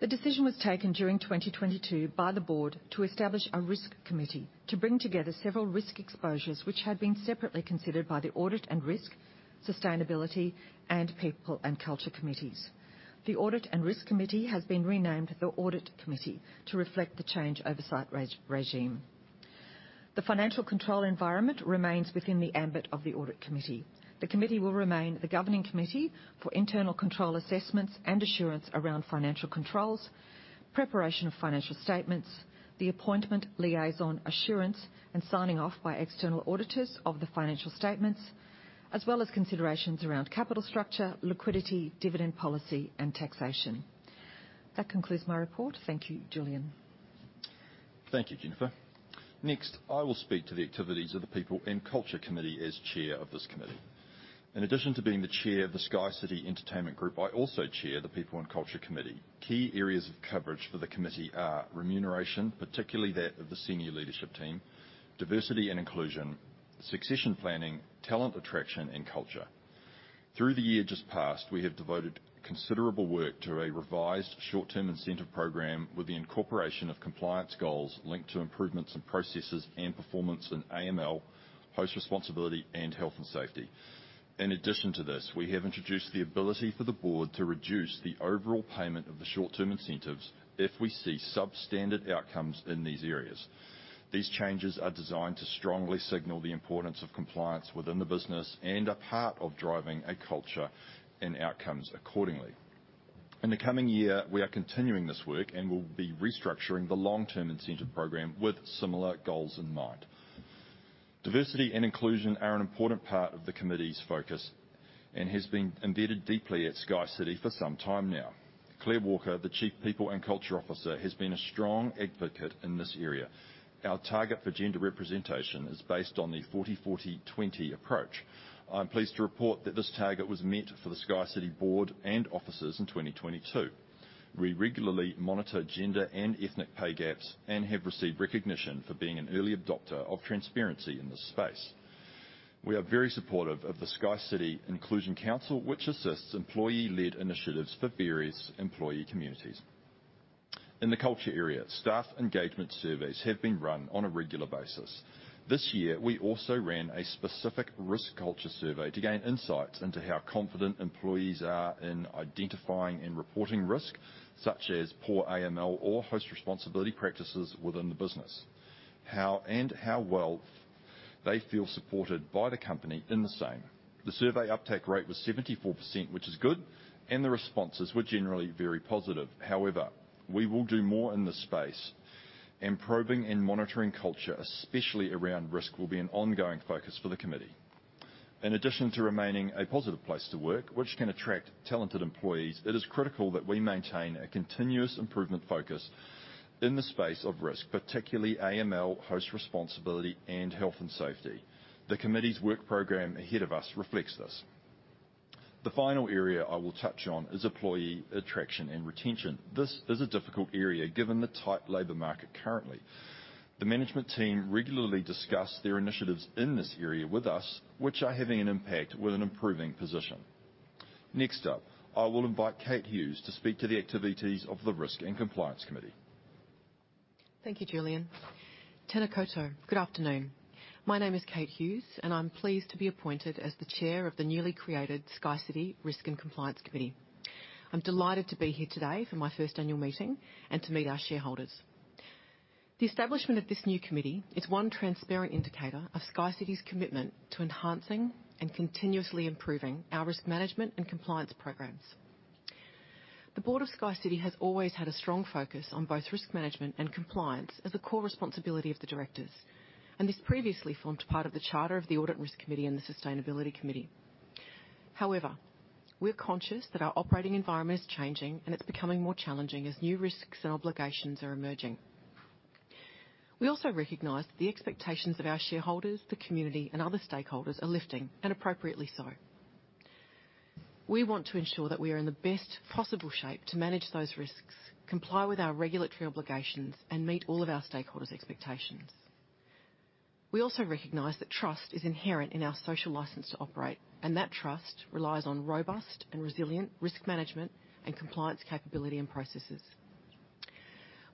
The decision was taken during 2022 by the board to establish a risk committee to bring together several risk exposures which had been separately considered by the audit and risk, sustainability, and people and culture committees. The audit and risk committee has been renamed the audit committee to reflect the change in oversight regime. The financial control environment remains within the ambit of the audit committee. The committee will remain the governing committee for internal control assessments and assurance around financial controls, preparation of financial statements, the appointment, liaison, assurance, and signing off by external auditors of the financial statements, as well as considerations around capital structure, liquidity, dividend policy, and taxation. That concludes my report. Thank you. Julian Cook. Thank you, Jennifer. Next, I will speak to the activities of the people and culture committee as chair of this committee. In addition to being the chair of the SkyCity Entertainment Group, I also chair the people and culture committee. Key areas of coverage for the committee are remuneration, particularly that of the senior leadership team, diversity and inclusion, succession planning, talent attraction, and culture. Through the year just past, we have devoted considerable work to a revised short-term incentive program with the incorporation of compliance goals linked to improvements in processes and performance in AML, Host Responsibility, and health and safety. In addition to this, we have introduced the ability for the board to reduce the overall payment of the short-term incentives if we see substandard outcomes in these areas. These changes are designed to strongly signal the importance of compliance within the business and are part of driving a culture and outcomes accordingly. In the coming year, we are continuing this work and will be restructuring the long-term incentive program with similar goals in mind. Diversity and inclusion are an important part of the committee's focus and has been embedded deeply at SkyCity for some time now. Claire Walker, the Chief People and Culture Officer, has been a strong advocate in this area. Our target for gender representation is based on the 40,40, 20 approach. I'm pleased to report that this target was met for the SkyCity board and officers in 2022. We regularly monitor gender and ethnic pay gaps and have received recognition for being an early adopter of transparency in this space. We are very supportive of the SkyCity Inclusion Council, which assists employee-led initiatives for various employee communities. In the culture area, staff engagement surveys have been run on a regular basis. This year we also ran a specific risk culture survey to gain insights into how confident employees are in identifying and reporting risk, such as poor AML or Host Responsibility practices within the business, how and how well they feel supported by the company in the same. The survey uptake rate was 74%, which is good, and the responses were generally very positive. However, we will do more in this space, and probing and monitoring culture, especially around risk, will be an ongoing focus for the committee. In addition to remaining a positive place to work, which can attract talented employees, it is critical that we maintain a continuous improvement focus in the space of risk, particularly AML, Host Responsibility, and health and safety. The committee's work program ahead of us reflects this. The final area I will touch on is employee attraction and retention. This is a difficult area given the tight labor market currently. The management team regularly discuss their initiatives in this area with us, which are having an impact with an improving position. Next up, I will invite Kate Hughes to speak to the activities of the risk and compliance committee. Thank you, Julian. Tena koutou. Good afternoon. My name is Kate Hughes, and I'm pleased to be appointed as the chair of the newly created SkyCity Risk and Compliance Committee. I'm delighted to be here today for my first annual meeting and to meet our shareholders. The establishment of this new committee is one transparent indicator of SkyCity's commitment to enhancing and continuously improving our risk management and compliance programs. The board of SkyCity has always had a strong focus on both risk management and compliance as a core responsibility of the directors, and this previously formed part of the charter of the audit and risk committee and the sustainability committee. However, we are conscious that our operating environment is changing, and it's becoming more challenging as new risks and obligations are emerging. We also recognize the expectations of our shareholders, the community, and other stakeholders are lifting, and appropriately so. We want to ensure that we are in the best possible shape to manage those risks, comply with our regulatory obligations, and meet all of our stakeholders' expectations. We also recognize that trust is inherent in our social license to operate, and that trust relies on robust and resilient risk management and compliance capability and processes.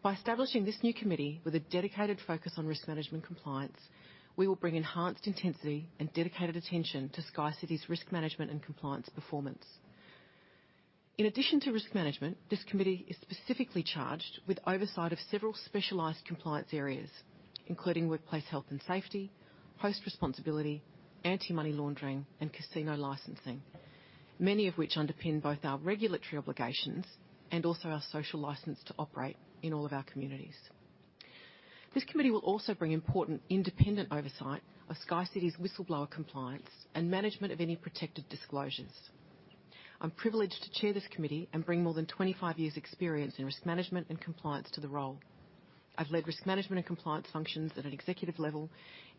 By establishing this new committee with a dedicated focus on risk management compliance, we will bring enhanced intensity and dedicated attention to SkyCity's risk management and compliance performance. In addition to risk management, this committee is specifically charged with oversight of several specialized compliance areas, including workplace health and safety, Host Responsibility, anti-money laundering, and casino licensing, many of which underpin both our regulatory obligations and also our social license to operate in all of our communities. This committee will also bring important independent oversight of SkyCity's whistleblower compliance and management of any protected disclosures. I'm privileged to chair this committee and bring more than 25 years' experience in risk management and compliance to the role. I've led risk management and compliance functions at an executive level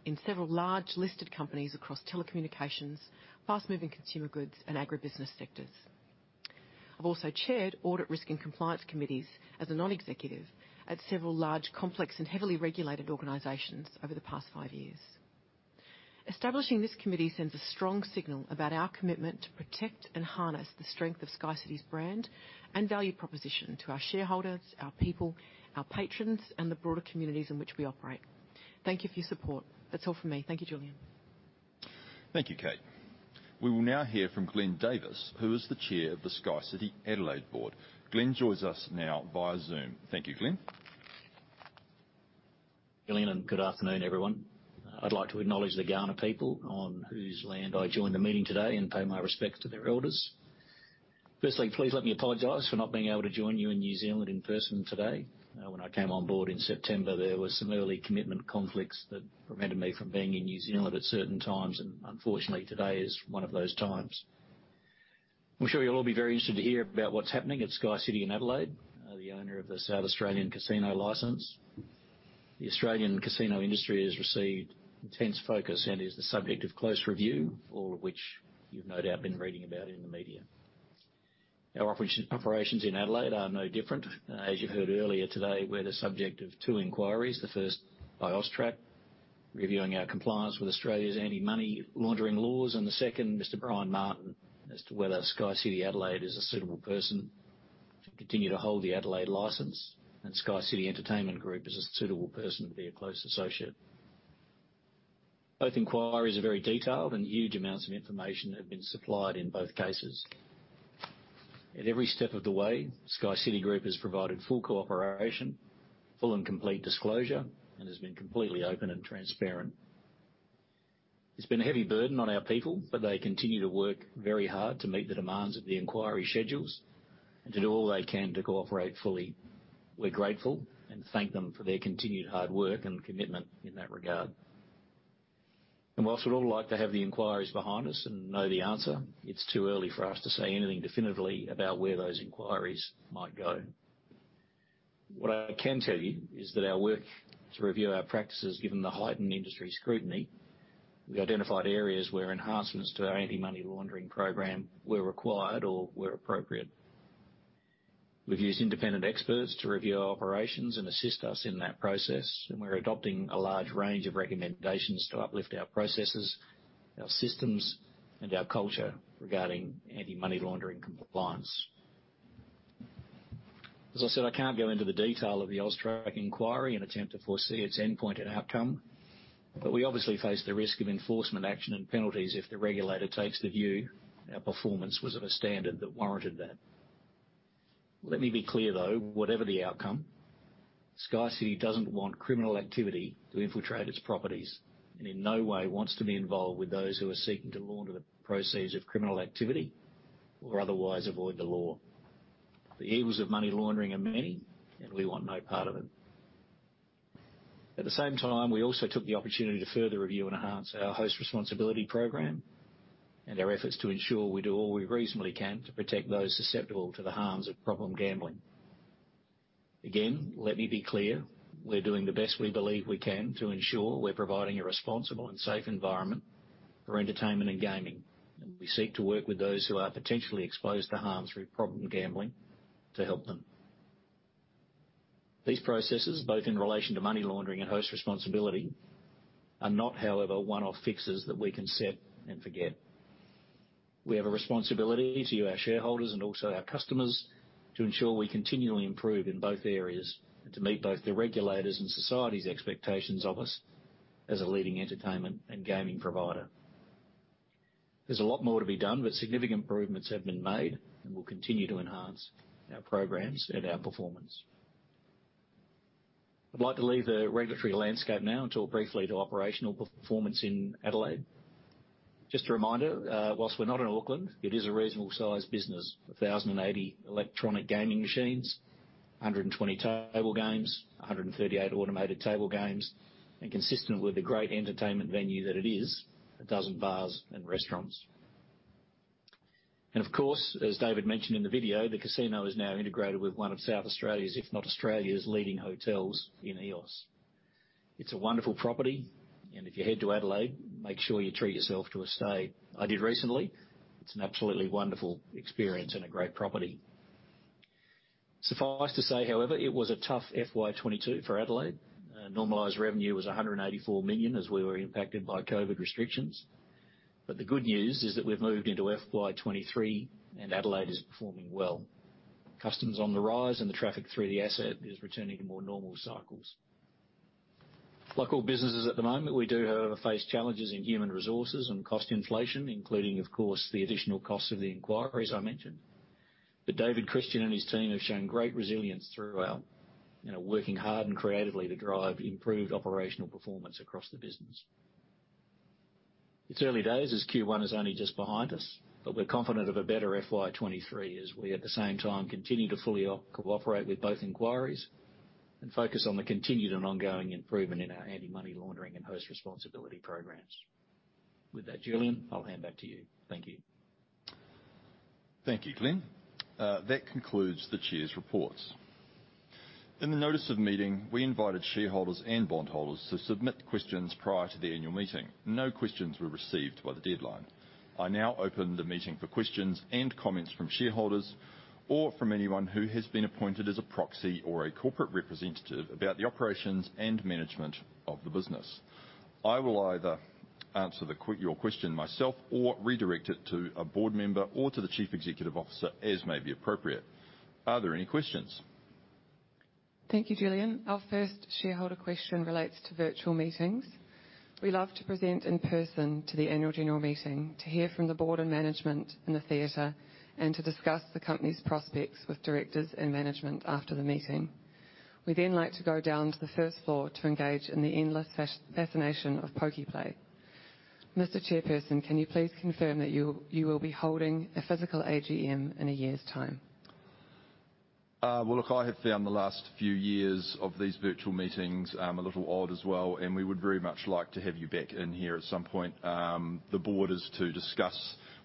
in several large listed companies across telecommunications, fast-moving consumer goods, and agribusiness sectors. I've also chaired audit risk and compliance committees as a non-executive at several large, complex, and heavily regulated organizations over the past five years. Establishing this committee sends a strong signal about our commitment to protect and harness the strength of SkyCity's brand and value proposition to our shareholders, our people, our patrons, and the broader communities in which we operate. Thank you for your support. That's all for me. Thank you, Julian. Thank you, Kate. We will now hear from Glenn Davis, who is the chair of the SkyCity Adelaide board. Glenn joins us now via Zoom. Thank you, Glenn. Julian, good afternoon, everyone. I'd like to acknowledge the Kaurna people on whose land I join the meeting today and pay my respects to their elders. Firstly, please let me apologize for not being able to join you in New Zealand in person today. When I came on board in September, there were some early commitment conflicts that prevented me from being in New Zealand at certain times, and unfortunately, today is one of those times. I'm sure you'll all be very interested to hear about what's happening at SkyCity in Adelaide, the owner of the South Australian casino license. The Australian casino industry has received intense focus and is the subject of close review, all of which you've no doubt been reading about in the media. Our operations in Adelaide are no different. As you heard earlier today, we're the subject of two inquiries, the first by AUSTRAC, reviewing our compliance with Australia's anti-money laundering laws, and the second, Mr. Brian Martin, as to whether SkyCity Adelaide is a suitable person to continue to hold the Adelaide license, and SkyCity Entertainment Group is a suitable person to be a close associate. Both inquiries are very detailed, and huge amounts of information have been supplied in both cases. At every step of the way, SkyCity Group has provided full cooperation, full and complete disclosure, and has been completely open and transparent. It's been a heavy burden on our people, but they continue to work very hard to meet the demands of the inquiry schedules and to do all they can to cooperate fully. We're grateful and thank them for their continued hard work and commitment in that regard. While we'd all like to have the inquiries behind us and know the answer, it's too early for us to say anything definitively about where those inquiries might go. What I can tell you is that our work to review our practices, given the heightened industry scrutiny, we identified areas where enhancements to our anti-money laundering program were required or were appropriate. We've used independent experts to review our operations and assist us in that process, and we're adopting a large range of recommendations to uplift our processes, our systems, and our culture regarding anti-money laundering compliance. As I said, I can't go into the detail of the AUSTRAC inquiry and attempt to foresee its endpoint and outcome, but we obviously face the risk of enforcement action and penalties if the regulator takes the view our performance was of a standard that warranted that. Let me be clear, though. Whatever the outcome, SkyCity doesn't want criminal activity to infiltrate its properties, and in no way wants to be involved with those who are seeking to launder the proceeds of criminal activity or otherwise avoid the law. The evils of money laundering are many, and we want no part of it. At the same time, we also took the opportunity to further review and enhance our Host Responsibility program and our efforts to ensure we do all we reasonably can to protect those susceptible to the harms of problem gambling. Again, let me be clear. We're doing the best we believe we can to ensure we're providing a responsible and safe environment for entertainment and gaming. We seek to work with those who are potentially exposed to harms through problem gambling to help them. These processes, both in relation to money laundering and Host Responsibility, are not, however, one-off fixes that we can set and forget. We have a responsibility to you, our shareholders, and also our customers, to ensure we continually improve in both areas and to meet both the regulators' and society's expectations of us as a leading entertainment and gaming provider. There's a lot more to be done, but significant improvements have been made, and we'll continue to enhance our programs and our performance. I'd like to leave the regulatory landscape now and talk briefly to operational performance in Adelaide. Just a reminder, while we're not in Auckland, it is a reasonably sized business, 1,080 electronic gaming machines, 120 table games, 138 automated table games, and consistent with the great entertainment venue that it is, 12 bars and restaurants. Of course, as David mentioned in the video, the casino is now integrated with one of South Australia's, if not Australia's, leading hotels in Eos. It's a wonderful property, and if you head to Adelaide, make sure you treat yourself to a stay. I did recently. It's an absolutely wonderful experience and a great property. Suffice to say, however, it was a tough FY 2022 for Adelaide. Normalized revenue was 184 million, as we were impacted by COVID restrictions. The good news is that we've moved into FY23, and Adelaide is performing well. Customers on the rise, and the traffic through the asset is returning to more normal cycles. Like all businesses at the moment, we do, however, face challenges in human resources and cost inflation, including, of course, the additional costs of the inquiries I mentioned. David Christian and his team have shown great resilience throughout, you know, working hard and creatively to drive improved operational performance across the business. It's early days as Q1 is only just behind us, but we're confident of a better FY 2023 as we at the same time continue to fully cooperate with both inquiries and focus on the continued and ongoing improvement in our anti-money laundering and Host Responsibility programs. With that, Julian, I'll hand back to you. Thank you. Thank you, Glenn. That concludes the chair's reports. In the notice of meeting, we invited shareholders and bondholders to submit questions prior to the annual meeting. No questions were received by the deadline. I now open the meeting for questions and comments from shareholders or from anyone who has been appointed as a proxy or a corporate representative about the operations and management of the business. I will either answer your question myself or redirect it to a board member or to the chief executive officer, as may be appropriate. Are there any questions? Thank you, Julian. Our first shareholder question relates to virtual meetings. We love to present in person to the annual general meeting, to hear from the board and management in the theater, and to discuss the company's prospects with directors and management after the meeting. We then like to go down to the first floor to engage in the endless fascination of pokie play. Mr. Chairperson, can you please confirm that you will be holding a physical AGM in a year's time? Well, look, I have found the last few years of these virtual meetings a little odd as well, and we would very much like to have you back in here at some point.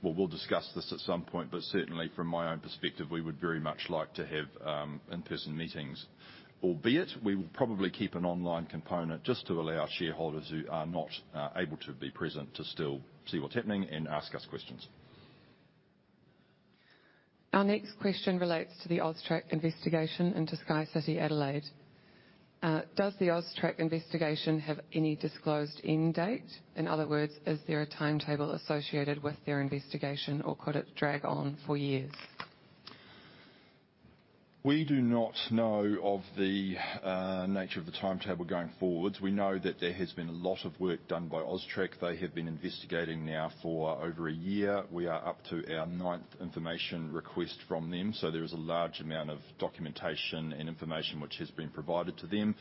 We'll discuss this at some point, but certainly from my own perspective, we would very much like to have in-person meetings. Albeit, we will probably keep an online component just to allow shareholders who are not able to be present to still see what's happening and ask us questions. Our next question relates to the AUSTRAC investigation into SkyCity Adelaide. Does the AUSTRAC investigation have any disclosed end date? In other words, is there a timetable associated with their investigation, or could it drag on for years? We do not know of the nature of the timetable going forwards. We know that there has been a lot of work done by AUSTRAC. They have been investigating now for over a year. We are up to our ninth information request from them, so there is a large amount of documentation and information which has been provided to them.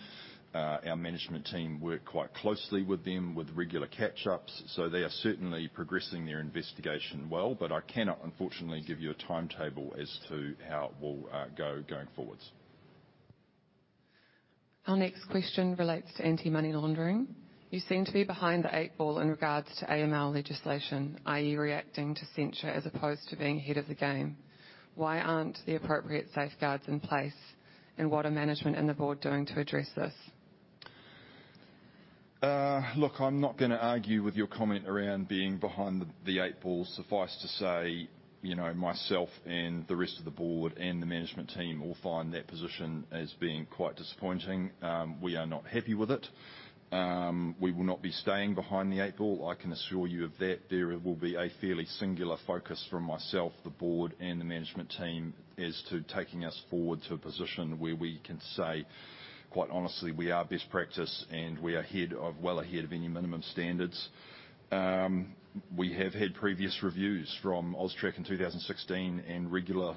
Our management team work quite closely with them with regular catch-ups, so they are certainly progressing their investigation well, but I cannot, unfortunately, give you a timetable as to how it will go forwards. Our next question relates to anti-money laundering. You seem to be behind the eight ball in regards to AML legislation, i.e., reacting to censure as opposed to being ahead of the game. Why aren't the appropriate safeguards in place? What are management and the board doing to address this? Look, I'm not gonna argue with your comment around being behind the eight ball. Suffice to say, you know, myself and the rest of the board and the management team all find that position as being quite disappointing. We are not happy with it. We will not be staying behind the eight ball, I can assure you of that. There will be a fairly singular focus from myself, the board, and the management team as to taking us forward to a position where we can say, quite honestly, we are best practice, and we are ahead of, well ahead of any minimum standards. We have had previous reviews from AUSTRAC in 2016 and regular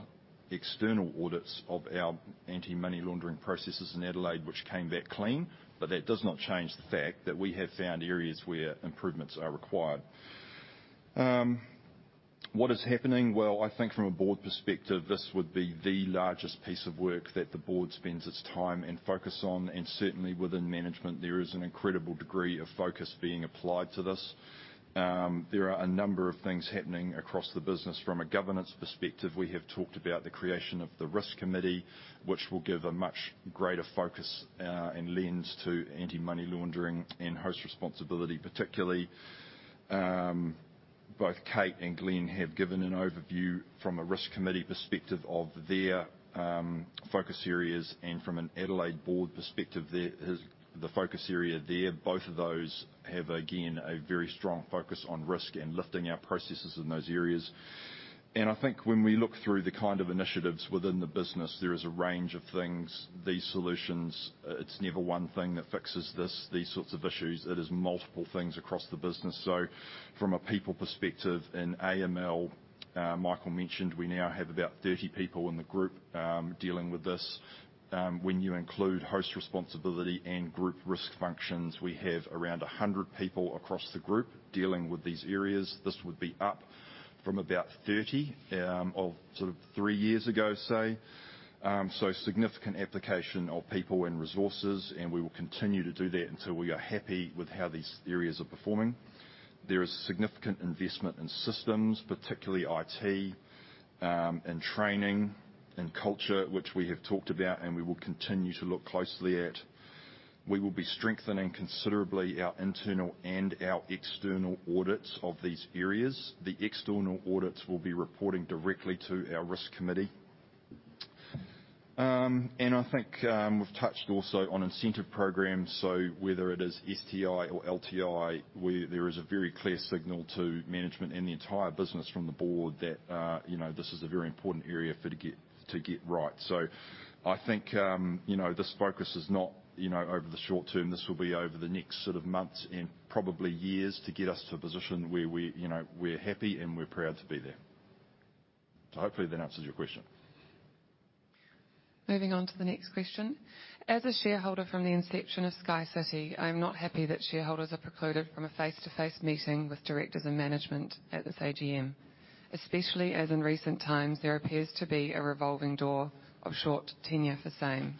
external audits of our anti-money laundering processes in Adelaide, which came back clean. That does not change the fact that we have found areas where improvements are required. What is happening? Well, I think from a board perspective, this would be the largest piece of work that the board spends its time and focus on, and certainly within management, there is an incredible degree of focus being applied to this. There are a number of things happening across the business. From a governance perspective, we have talked about the creation of the risk committee, which will give a much greater focus and lens to Anti-Money Laundering and Host Responsibility, particularly. Both Kate and Glenn have given an overview from a risk committee perspective of their focus areas and from an Adelaide board perspective, the focus area there. Both of those have, again, a very strong focus on risk and lifting our processes in those areas. I think when we look through the kind of initiatives within the business, there is a range of things. These solutions, it's never one thing that fixes this, these sorts of issues. It is multiple things across the business. From a people perspective, in AML, Michael mentioned we now have about 30 people in the group, dealing with this. When you include Host Responsibility and group risk functions, we have around 100 people across the group dealing with these areas. This would be up from about 30, of, sort of three years ago, say. Significant application of people and resources, and we will continue to do that until we are happy with how these areas are performing. There is significant investment in systems, particularly IT, in training, in culture, which we have talked about, and we will continue to look closely at. We will be strengthening considerably our internal and our external audits of these areas. The external audits will be reporting directly to our risk committee. I think we've touched also on incentive programs. Whether it is STI or LTI, there is a very clear signal to management and the entire business from the board that, you know, this is a very important area for it to get right. I think, you know, this focus is not, you know, over the short term. This will be over the next sort of months and probably years to get us to a position where we, you know, we're happy and we're proud to be there. Hopefully that answers your question. Moving on to the next question. As a shareholder from the inception of SkyCity, I'm not happy that shareholders are precluded from a face-to-face meeting with directors and management at this AGM. Especially as in recent times, there appears to be a revolving door of short tenure for same.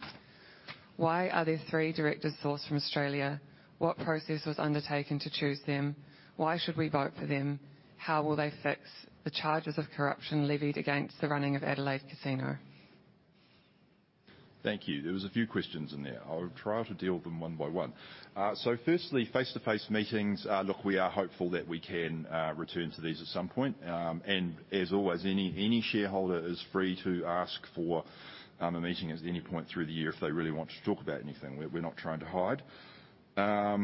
Why are there three directors sourced from Australia? What process was undertaken to choose them? Why should we vote for them? How will they fix the charges of corruption levied against the running of Adelaide Casino? Thank you. There was a few questions in there. I'll try to deal with them one by one. Firstly, face-to-face meetings, look, we are hopeful that we can return to these at some point. As always, any shareholder is free to ask for a meeting at any point through the year if they really want to talk about anything. We're not trying to hide.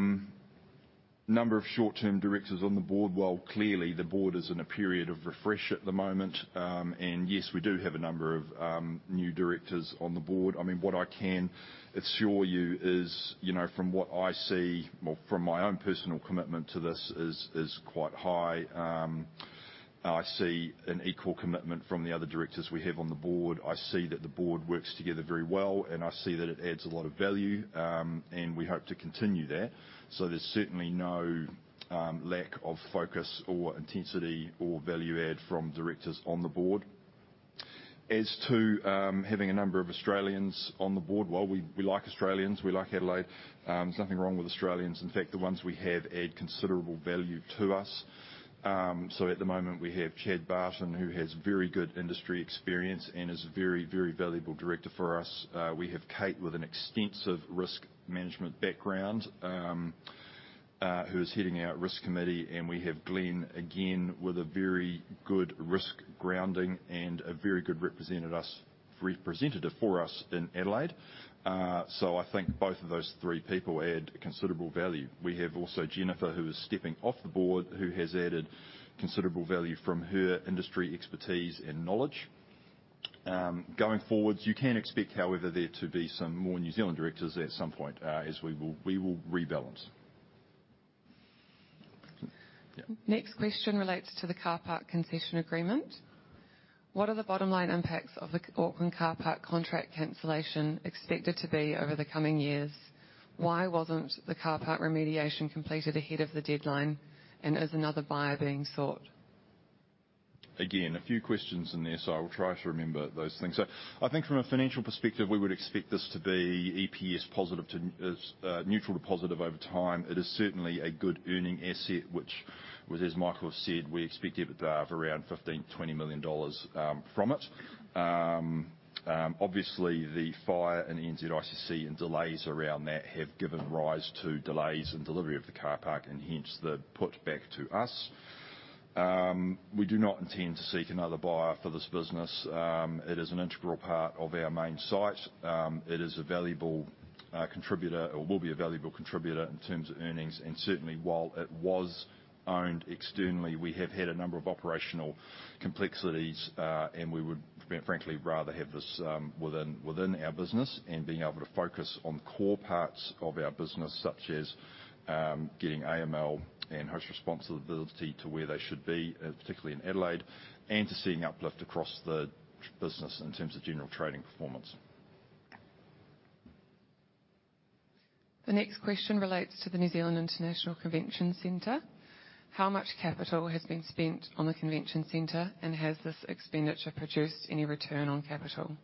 Number of short-term directors on the board, while clearly the board is in a period of refresh at the moment, and yes, we do have a number of new directors on the board. I mean, what I can assure you is, you know, from what I see, well, from my own personal commitment to this is quite high. I see an equal commitment from the other directors we have on the board. I see that the board works together very well, and I see that it adds a lot of value, and we hope to continue that. There's certainly no lack of focus or intensity or value add from directors on the board. As to having a number of Australians on the board, well, we like Australians, we like Adelaide. There's nothing wrong with Australians. In fact, the ones we have add considerable value to us. So at the moment, we have Chad Barton, who has very good industry experience and is a very, very valuable director for us. We have Kate with an extensive risk management background, who is heading our risk committee, and we have Glenn, again, with a very good risk grounding and a very good representative for us in Adelaide. I think both of those three people add considerable value. We have also Jennifer, who is stepping off the board, who has added considerable value from her industry expertise and knowledge. Going forward, you can expect, however, there to be some more New Zealand directors at some point, as we will rebalance. Next question relates to the car park concession agreement. What are the bottom line impacts of the Auckland car park contract cancellation expected to be over the coming years? Why wasn't the car park remediation completed ahead of the deadline, and is another buyer being sought? Again, a few questions in there, so I will try to remember those things. I think from a financial perspective, we would expect this to be EPS positive to neutral to positive over time. It is certainly a good earning asset, which, as Michael has said, we expect EBITDA of around 15 million-20 million dollars from it. Obviously, the fire and NZICC and delays around that have given rise to delays in delivery of the car park and hence the put back to us. We do not intend to seek another buyer for this business. It is an integral part of our main site. It is a valuable contributor, or will be a valuable contributor in terms of earnings, and certainly, while it was owned externally, we have had a number of operational complexities, and we would frankly rather have this within our business and being able to focus on core parts of our business, such as getting AML and Host Responsibility to where they should be, particularly in Adelaide, and to seeing uplift across the business in terms of general trading performance. The next question relates to the New Zealand International Convention Centre. How much capital has been spent on the convention centre, and has this expenditure produced any return on capital?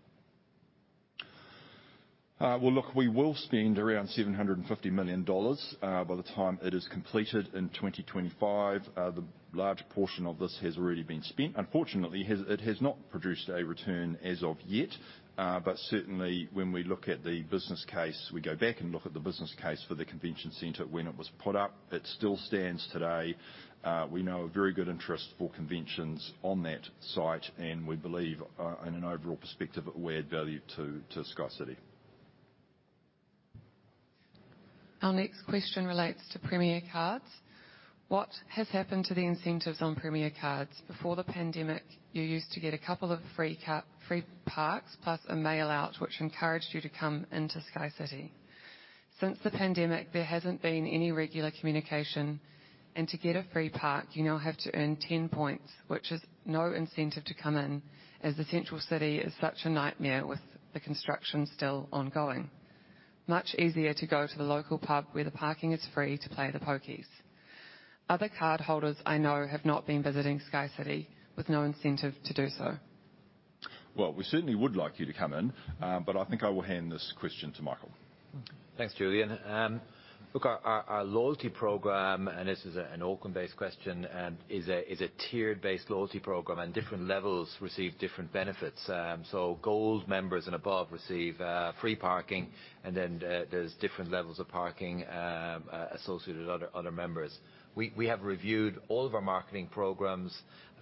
Well, look, we will spend around 750 million dollars by the time it is completed in 2025. The large portion of this has already been spent. Unfortunately, it has not produced a return as of yet. Certainly, when we look at the business case, we go back and look at the business case for the convention center when it was put up, it still stands today. We know a very good interest for conventions on that site, and we believe, in an overall perspective, it will add value to SkyCity. Our next question relates to premier cards. What has happened to the incentives on premier cards? Before the pandemic, you used to get a couple of free parks plus a mail out, which encouraged you to come into SkyCity. Since the pandemic, there hasn't been any regular communication, and to get a free park, you now have to earn 10 points, which is no incentive to come in, as the central city is such a nightmare with the construction still ongoing. Much easier to go to the local pub where the parking is free to play the pokies. Other cardholders I know have not been visiting SkyCity with no incentive to do so. Well, we certainly would like you to come in, but I think I will hand this question to Michael. Thanks Julian look our loyalty program, and this is an Auckland-based question, is a tiered-based loyalty program, and different levels receive different benefits. Gold members and above receive free parking, and then there's different levels of parking associated with other members. We have reviewed all of our marketing programs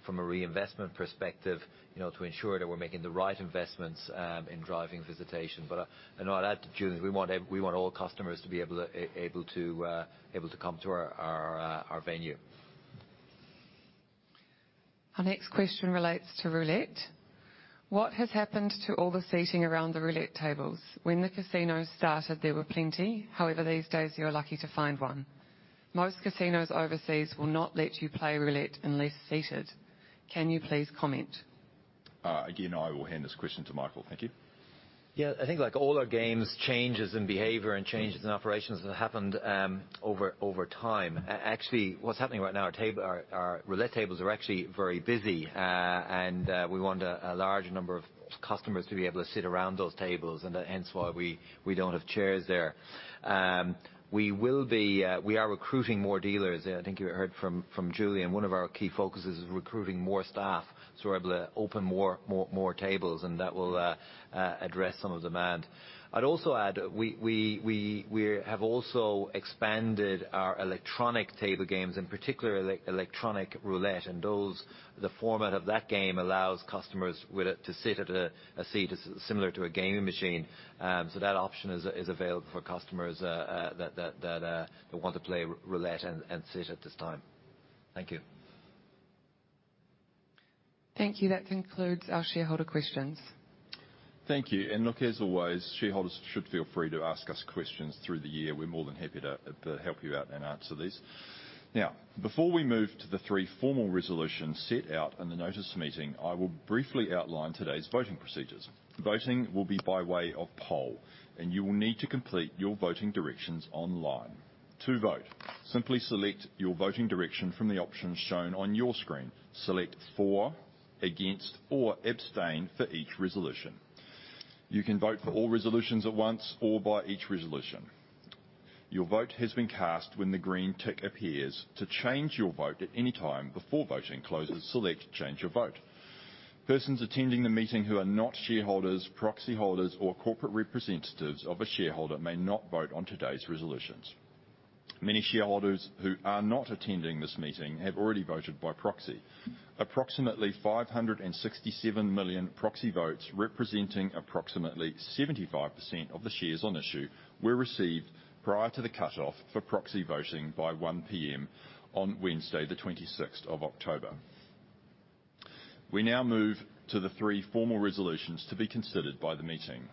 from a reinvestment perspective, you know, to ensure that we're making the right investments in driving visitation. I'll add to Julian's. We want all customers to be able to come to our venue. Our next question relates to roulette. What has happened to all the seating around the roulette tables? When the casino started, there were plenty. However, these days, you're lucky to find one. Most casinos overseas will not let you play roulette unless seated. Can you please comment? Again, I will hand this question to Michael. Thank you. Yeah. I think like all our games, changes in behavior and changes in operations have happened over time. Actually, what's happening right now, our roulette tables are actually very busy. We want a large number of customers to be able to sit around those tables and hence why we don't have chairs there. We are recruiting more dealers. I think you heard from Julian. One of our key focuses is recruiting more staff, so we're able to open more tables, and that will address some of demand. I'd also add, we have also expanded our electronic table games, in particular electronic roulette. The format of that game allows customers to sit at a seat similar to a gaming machine. That option is available for customers that want to play roulette and sit at this time. Thank you. Thank you. That concludes our shareholder questions. Thank you. Look, as always, shareholders should feel free to ask us questions through the year. We're more than happy to help you out and answer these. Now, before we move to the three formal resolutions set out in the notice of meeting, I will briefly outline today's voting procedures. Voting will be by way of poll, and you will need to complete your voting directions online. To vote, simply select your voting direction from the options shown on your screen. Select for, against, or abstain for each resolution. You can vote for all resolutions at once or by each resolution. Your vote has been cast when the green tick appears. To change your vote at any time before voting closes, select Change Your Vote. Persons attending the meeting who are not shareholders, proxy holders, or corporate representatives of a shareholder may not vote on today's resolutions. Many shareholders who are not attending this meeting have already voted by proxy. Approximately 567 million proxy votes, representing approximately 75% of the shares on issue, were received prior to the cutoff for proxy voting by 1:00 P.M. on Wednesday, the 26 of October. We now move to the three formal resolutions to be considered by the meeting.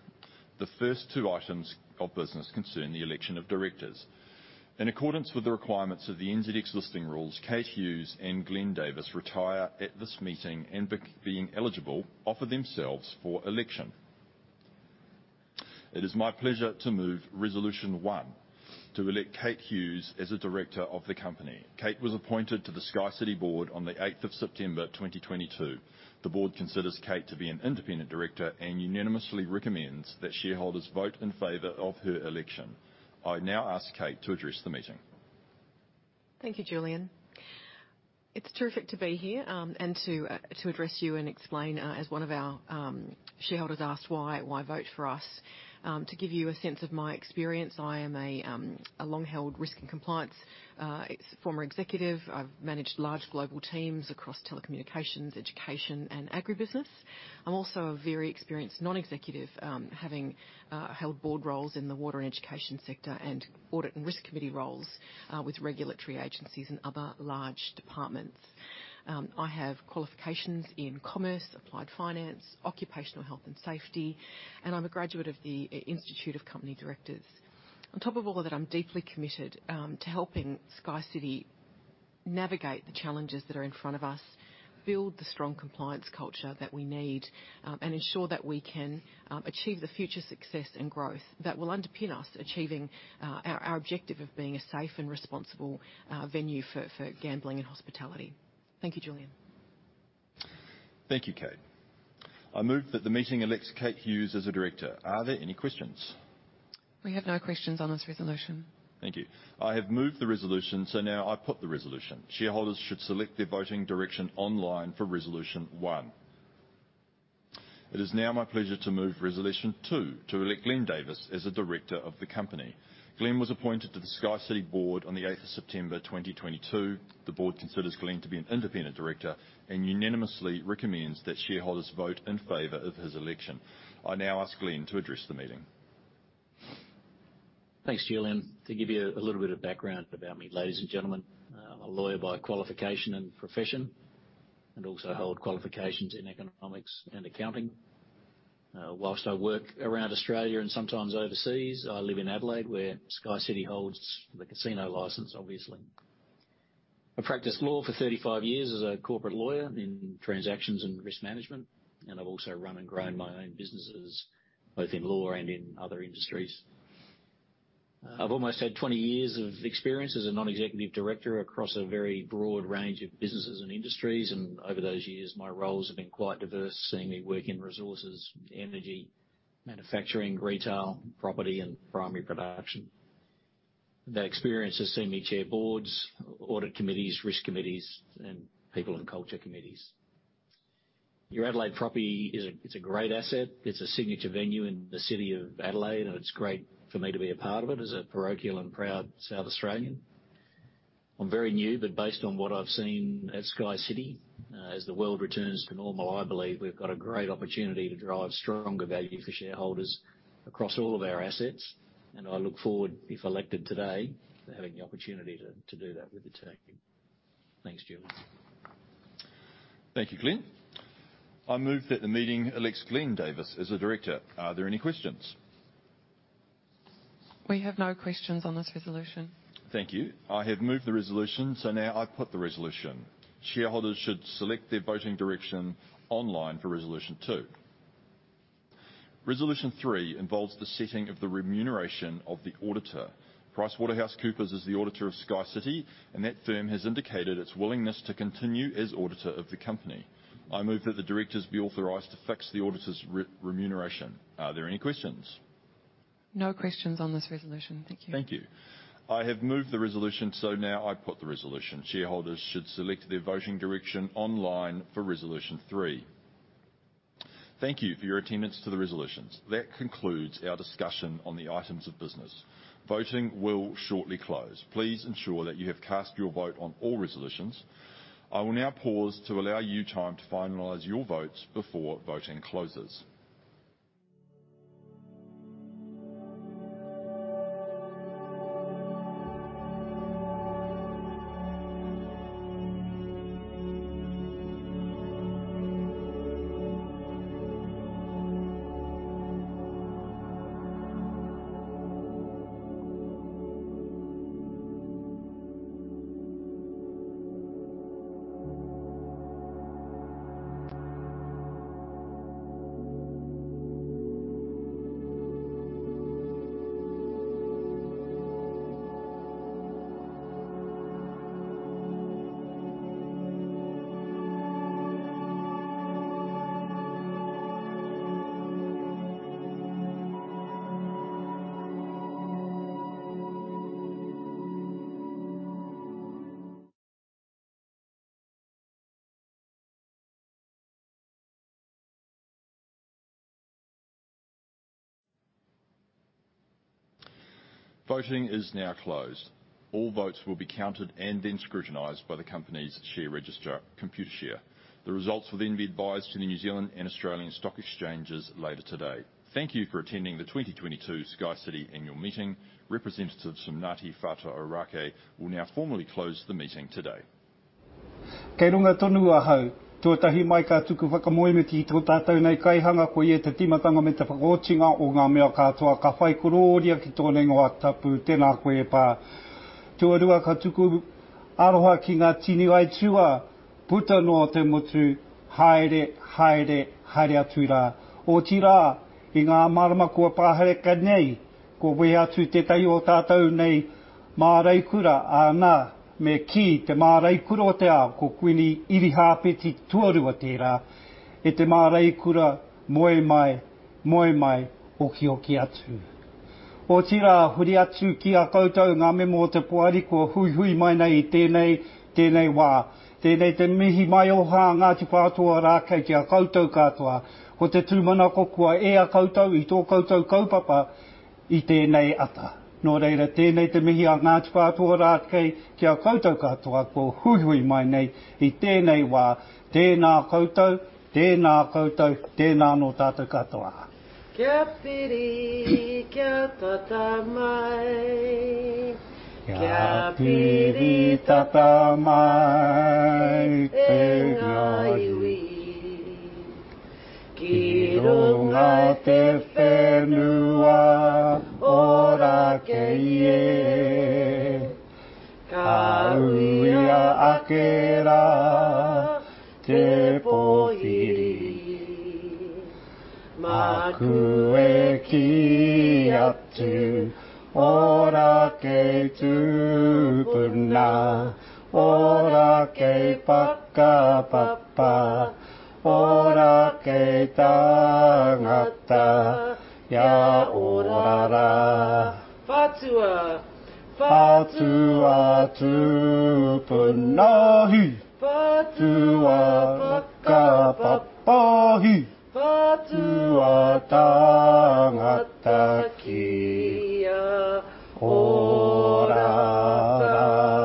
The first two items of business concern the election of directors. In accordance with the requirements of the NZX Listing Rules, Kate Hughes and Glenn Davis retire at this meeting, and being eligible, offer themselves for election. It is my pleasure to move resolution one, to elect Kate Hughes as a director of the company. Kate was appointed to the SkyCity board on the 8 of September 2022. The board considers Kate to be an independent director and unanimously recommends that shareholders vote in favor of her election. I now ask Kate to address the meeting. Thank you, Julian. It's terrific to be here, and to address you and explain, as one of our shareholders asked why vote for us. To give you a sense of my experience, I am a long-held risk and compliance former executive. I've managed large global teams across telecommunications, education, and agribusiness. I'm also a very experienced non-executive, having held board roles in the water and education sector and audit and risk committee roles with regulatory agencies and other large departments. I have qualifications in commerce, applied finance, occupational health and safety, and I'm a graduate of the Institute of Company Directors. On top of all of that, I'm deeply committed to helping SkyCity navigate the challenges that are in front of us, build the strong compliance culture that we need, and ensure that we can achieve the future success and growth that will underpin us achieving our objective of being a safe and responsible venue for gambling and hospitality. Thank you, Julian. Thank you, Kate. I move that the meeting elects Kate Hughes as a director. Are there any questions? We have no questions on this resolution. Thank you. I have moved the resolution, so now I put the resolution. Shareholders should select their voting direction online for resolution one. It is now my pleasure to move resolution two, to elect Glenn Davis as a director of the company. Glenn was appointed to the SkyCity board on the 8 of September, 2022. The board considers Glenn to be an independent director and unanimously recommends that shareholders vote in favor of his election. I now ask Glenn to address the meeting. Thanks Julian to give you a little bit of background about me, ladies and gentlemen, I'm a lawyer by qualification and profession, and also hold qualifications in economics and accounting. While I work around Australia and sometimes overseas, I live in Adelaide, where SkyCity holds the casino license, obviously. I've practiced law for 35 years as a corporate lawyer in transactions and risk management, and I've also run and grown my own businesses, both in law and in other industries. I've almost had 20 years of experience as a non-executive director across a very broad range of businesses and industries, and over those years, my roles have been quite diverse, seeing me work in resources, energy, manufacturing, retail, property, and primary production. That experience has seen me chair boards, audit committees, risk committees, and people and culture committees. Your Adelaide property is a great asset. It's a signature venue in the city of Adelaide, and it's great for me to be a part of it as a parochial and proud South Australian. I'm very new, but based on what I've seen at SkyCity, as the world returns to normal, I believe we've got a great opportunity to drive stronger value for shareholders across all of our assets, and I look forward, if elected today, to having the opportunity to do that with the team. Thanks, Julian. Thank you, Glenn. I move that the meeting elects Glenn Davis as a director. Are there any questions? We have no questions on this resolution. Thank you. I have moved the resolution, so now I put the resolution. Shareholders should select their voting direction online for Resolution 2. Resolution 3 involves the setting of the remuneration of the auditor. PricewaterhouseCoopers is the auditor of SkyCity, and that firm has indicated its willingness to continue as auditor of the company. I move that the directors be authorized to fix the auditor's re-remuneration. Are there any questions? No questions on this resolution. Thank you. Thank you. I have moved the resolution, so now I put the resolution. Shareholders should select their voting direction online for Resolution three. Thank you for your attendance to the resolutions. That concludes our discussion on the items of business. Voting will shortly close. Please ensure that you have cast your vote on all resolutions. I will now pause to allow you time to finalize your votes before voting closes. Voting is now closed. All votes will be counted and then scrutinized by the company's share registrar, Computershare. The results will then be advised to the New Zealand and Australian Stock Exchanges later today. Thank you for attending the 2022 SkyCity Annual Meeting. Representatives from Ngāti Whātua Ōrākei will now formally close the meeting today. Kei runga tonu ahau. Tuatahi mai ka tuku whakamōmiti ki tō tātau nei Kaihanga. Ko ia te timatanga me te whakotinga o ngā mea katoa. Ka whaikorōria ki tōne ingoa tapu. Tēnā koe e Pa. Tuarua, ka tuku aroha ki ngā tini aituā puta noa i te motu. Haere, haere atu rā. Otirā, i ngā marama kua pahareka nei, kua wehe atu tētahi o tātau nei māraikura, me kī te māraikura o te ao. Ko Kuini Irihāpeti tuarua tērā. E te māraikura, moe mai, moe mai, hoki hoki atu. Otirā, huri atu ki a koutou ngā mema o te poari kua huihui mai nei i tēnei wā. Tēnei te mihi mai a Ngāti Whātua Ōrākei ki a koutou katoa. Ko te tūmanako kua ea koutou i tō koutou kaupapa i tēnei ata. Nō reira, tēnei te mihi a Ngāti Whātua Ōrākei ki a koutou katoa kua huihui mai nei i tēnei wā. Tēnā koutou, tēnā koutou, tēnā anō tātou katoa. Kia piri, kia tata mai. Kia piri tata mai e ngā iwi. Ki runga te whenua Ōrākei e. Ka wea ake rā te pōhiri. Māku e kī atu. E ora kei tūpuna. E ora kei whakapapa. E ora kei tangata. E ora rā. Whātua. Whātua tūpuna. Hei. Whātua whakapapa. Hei. Whātua tangata. Kia ora rā.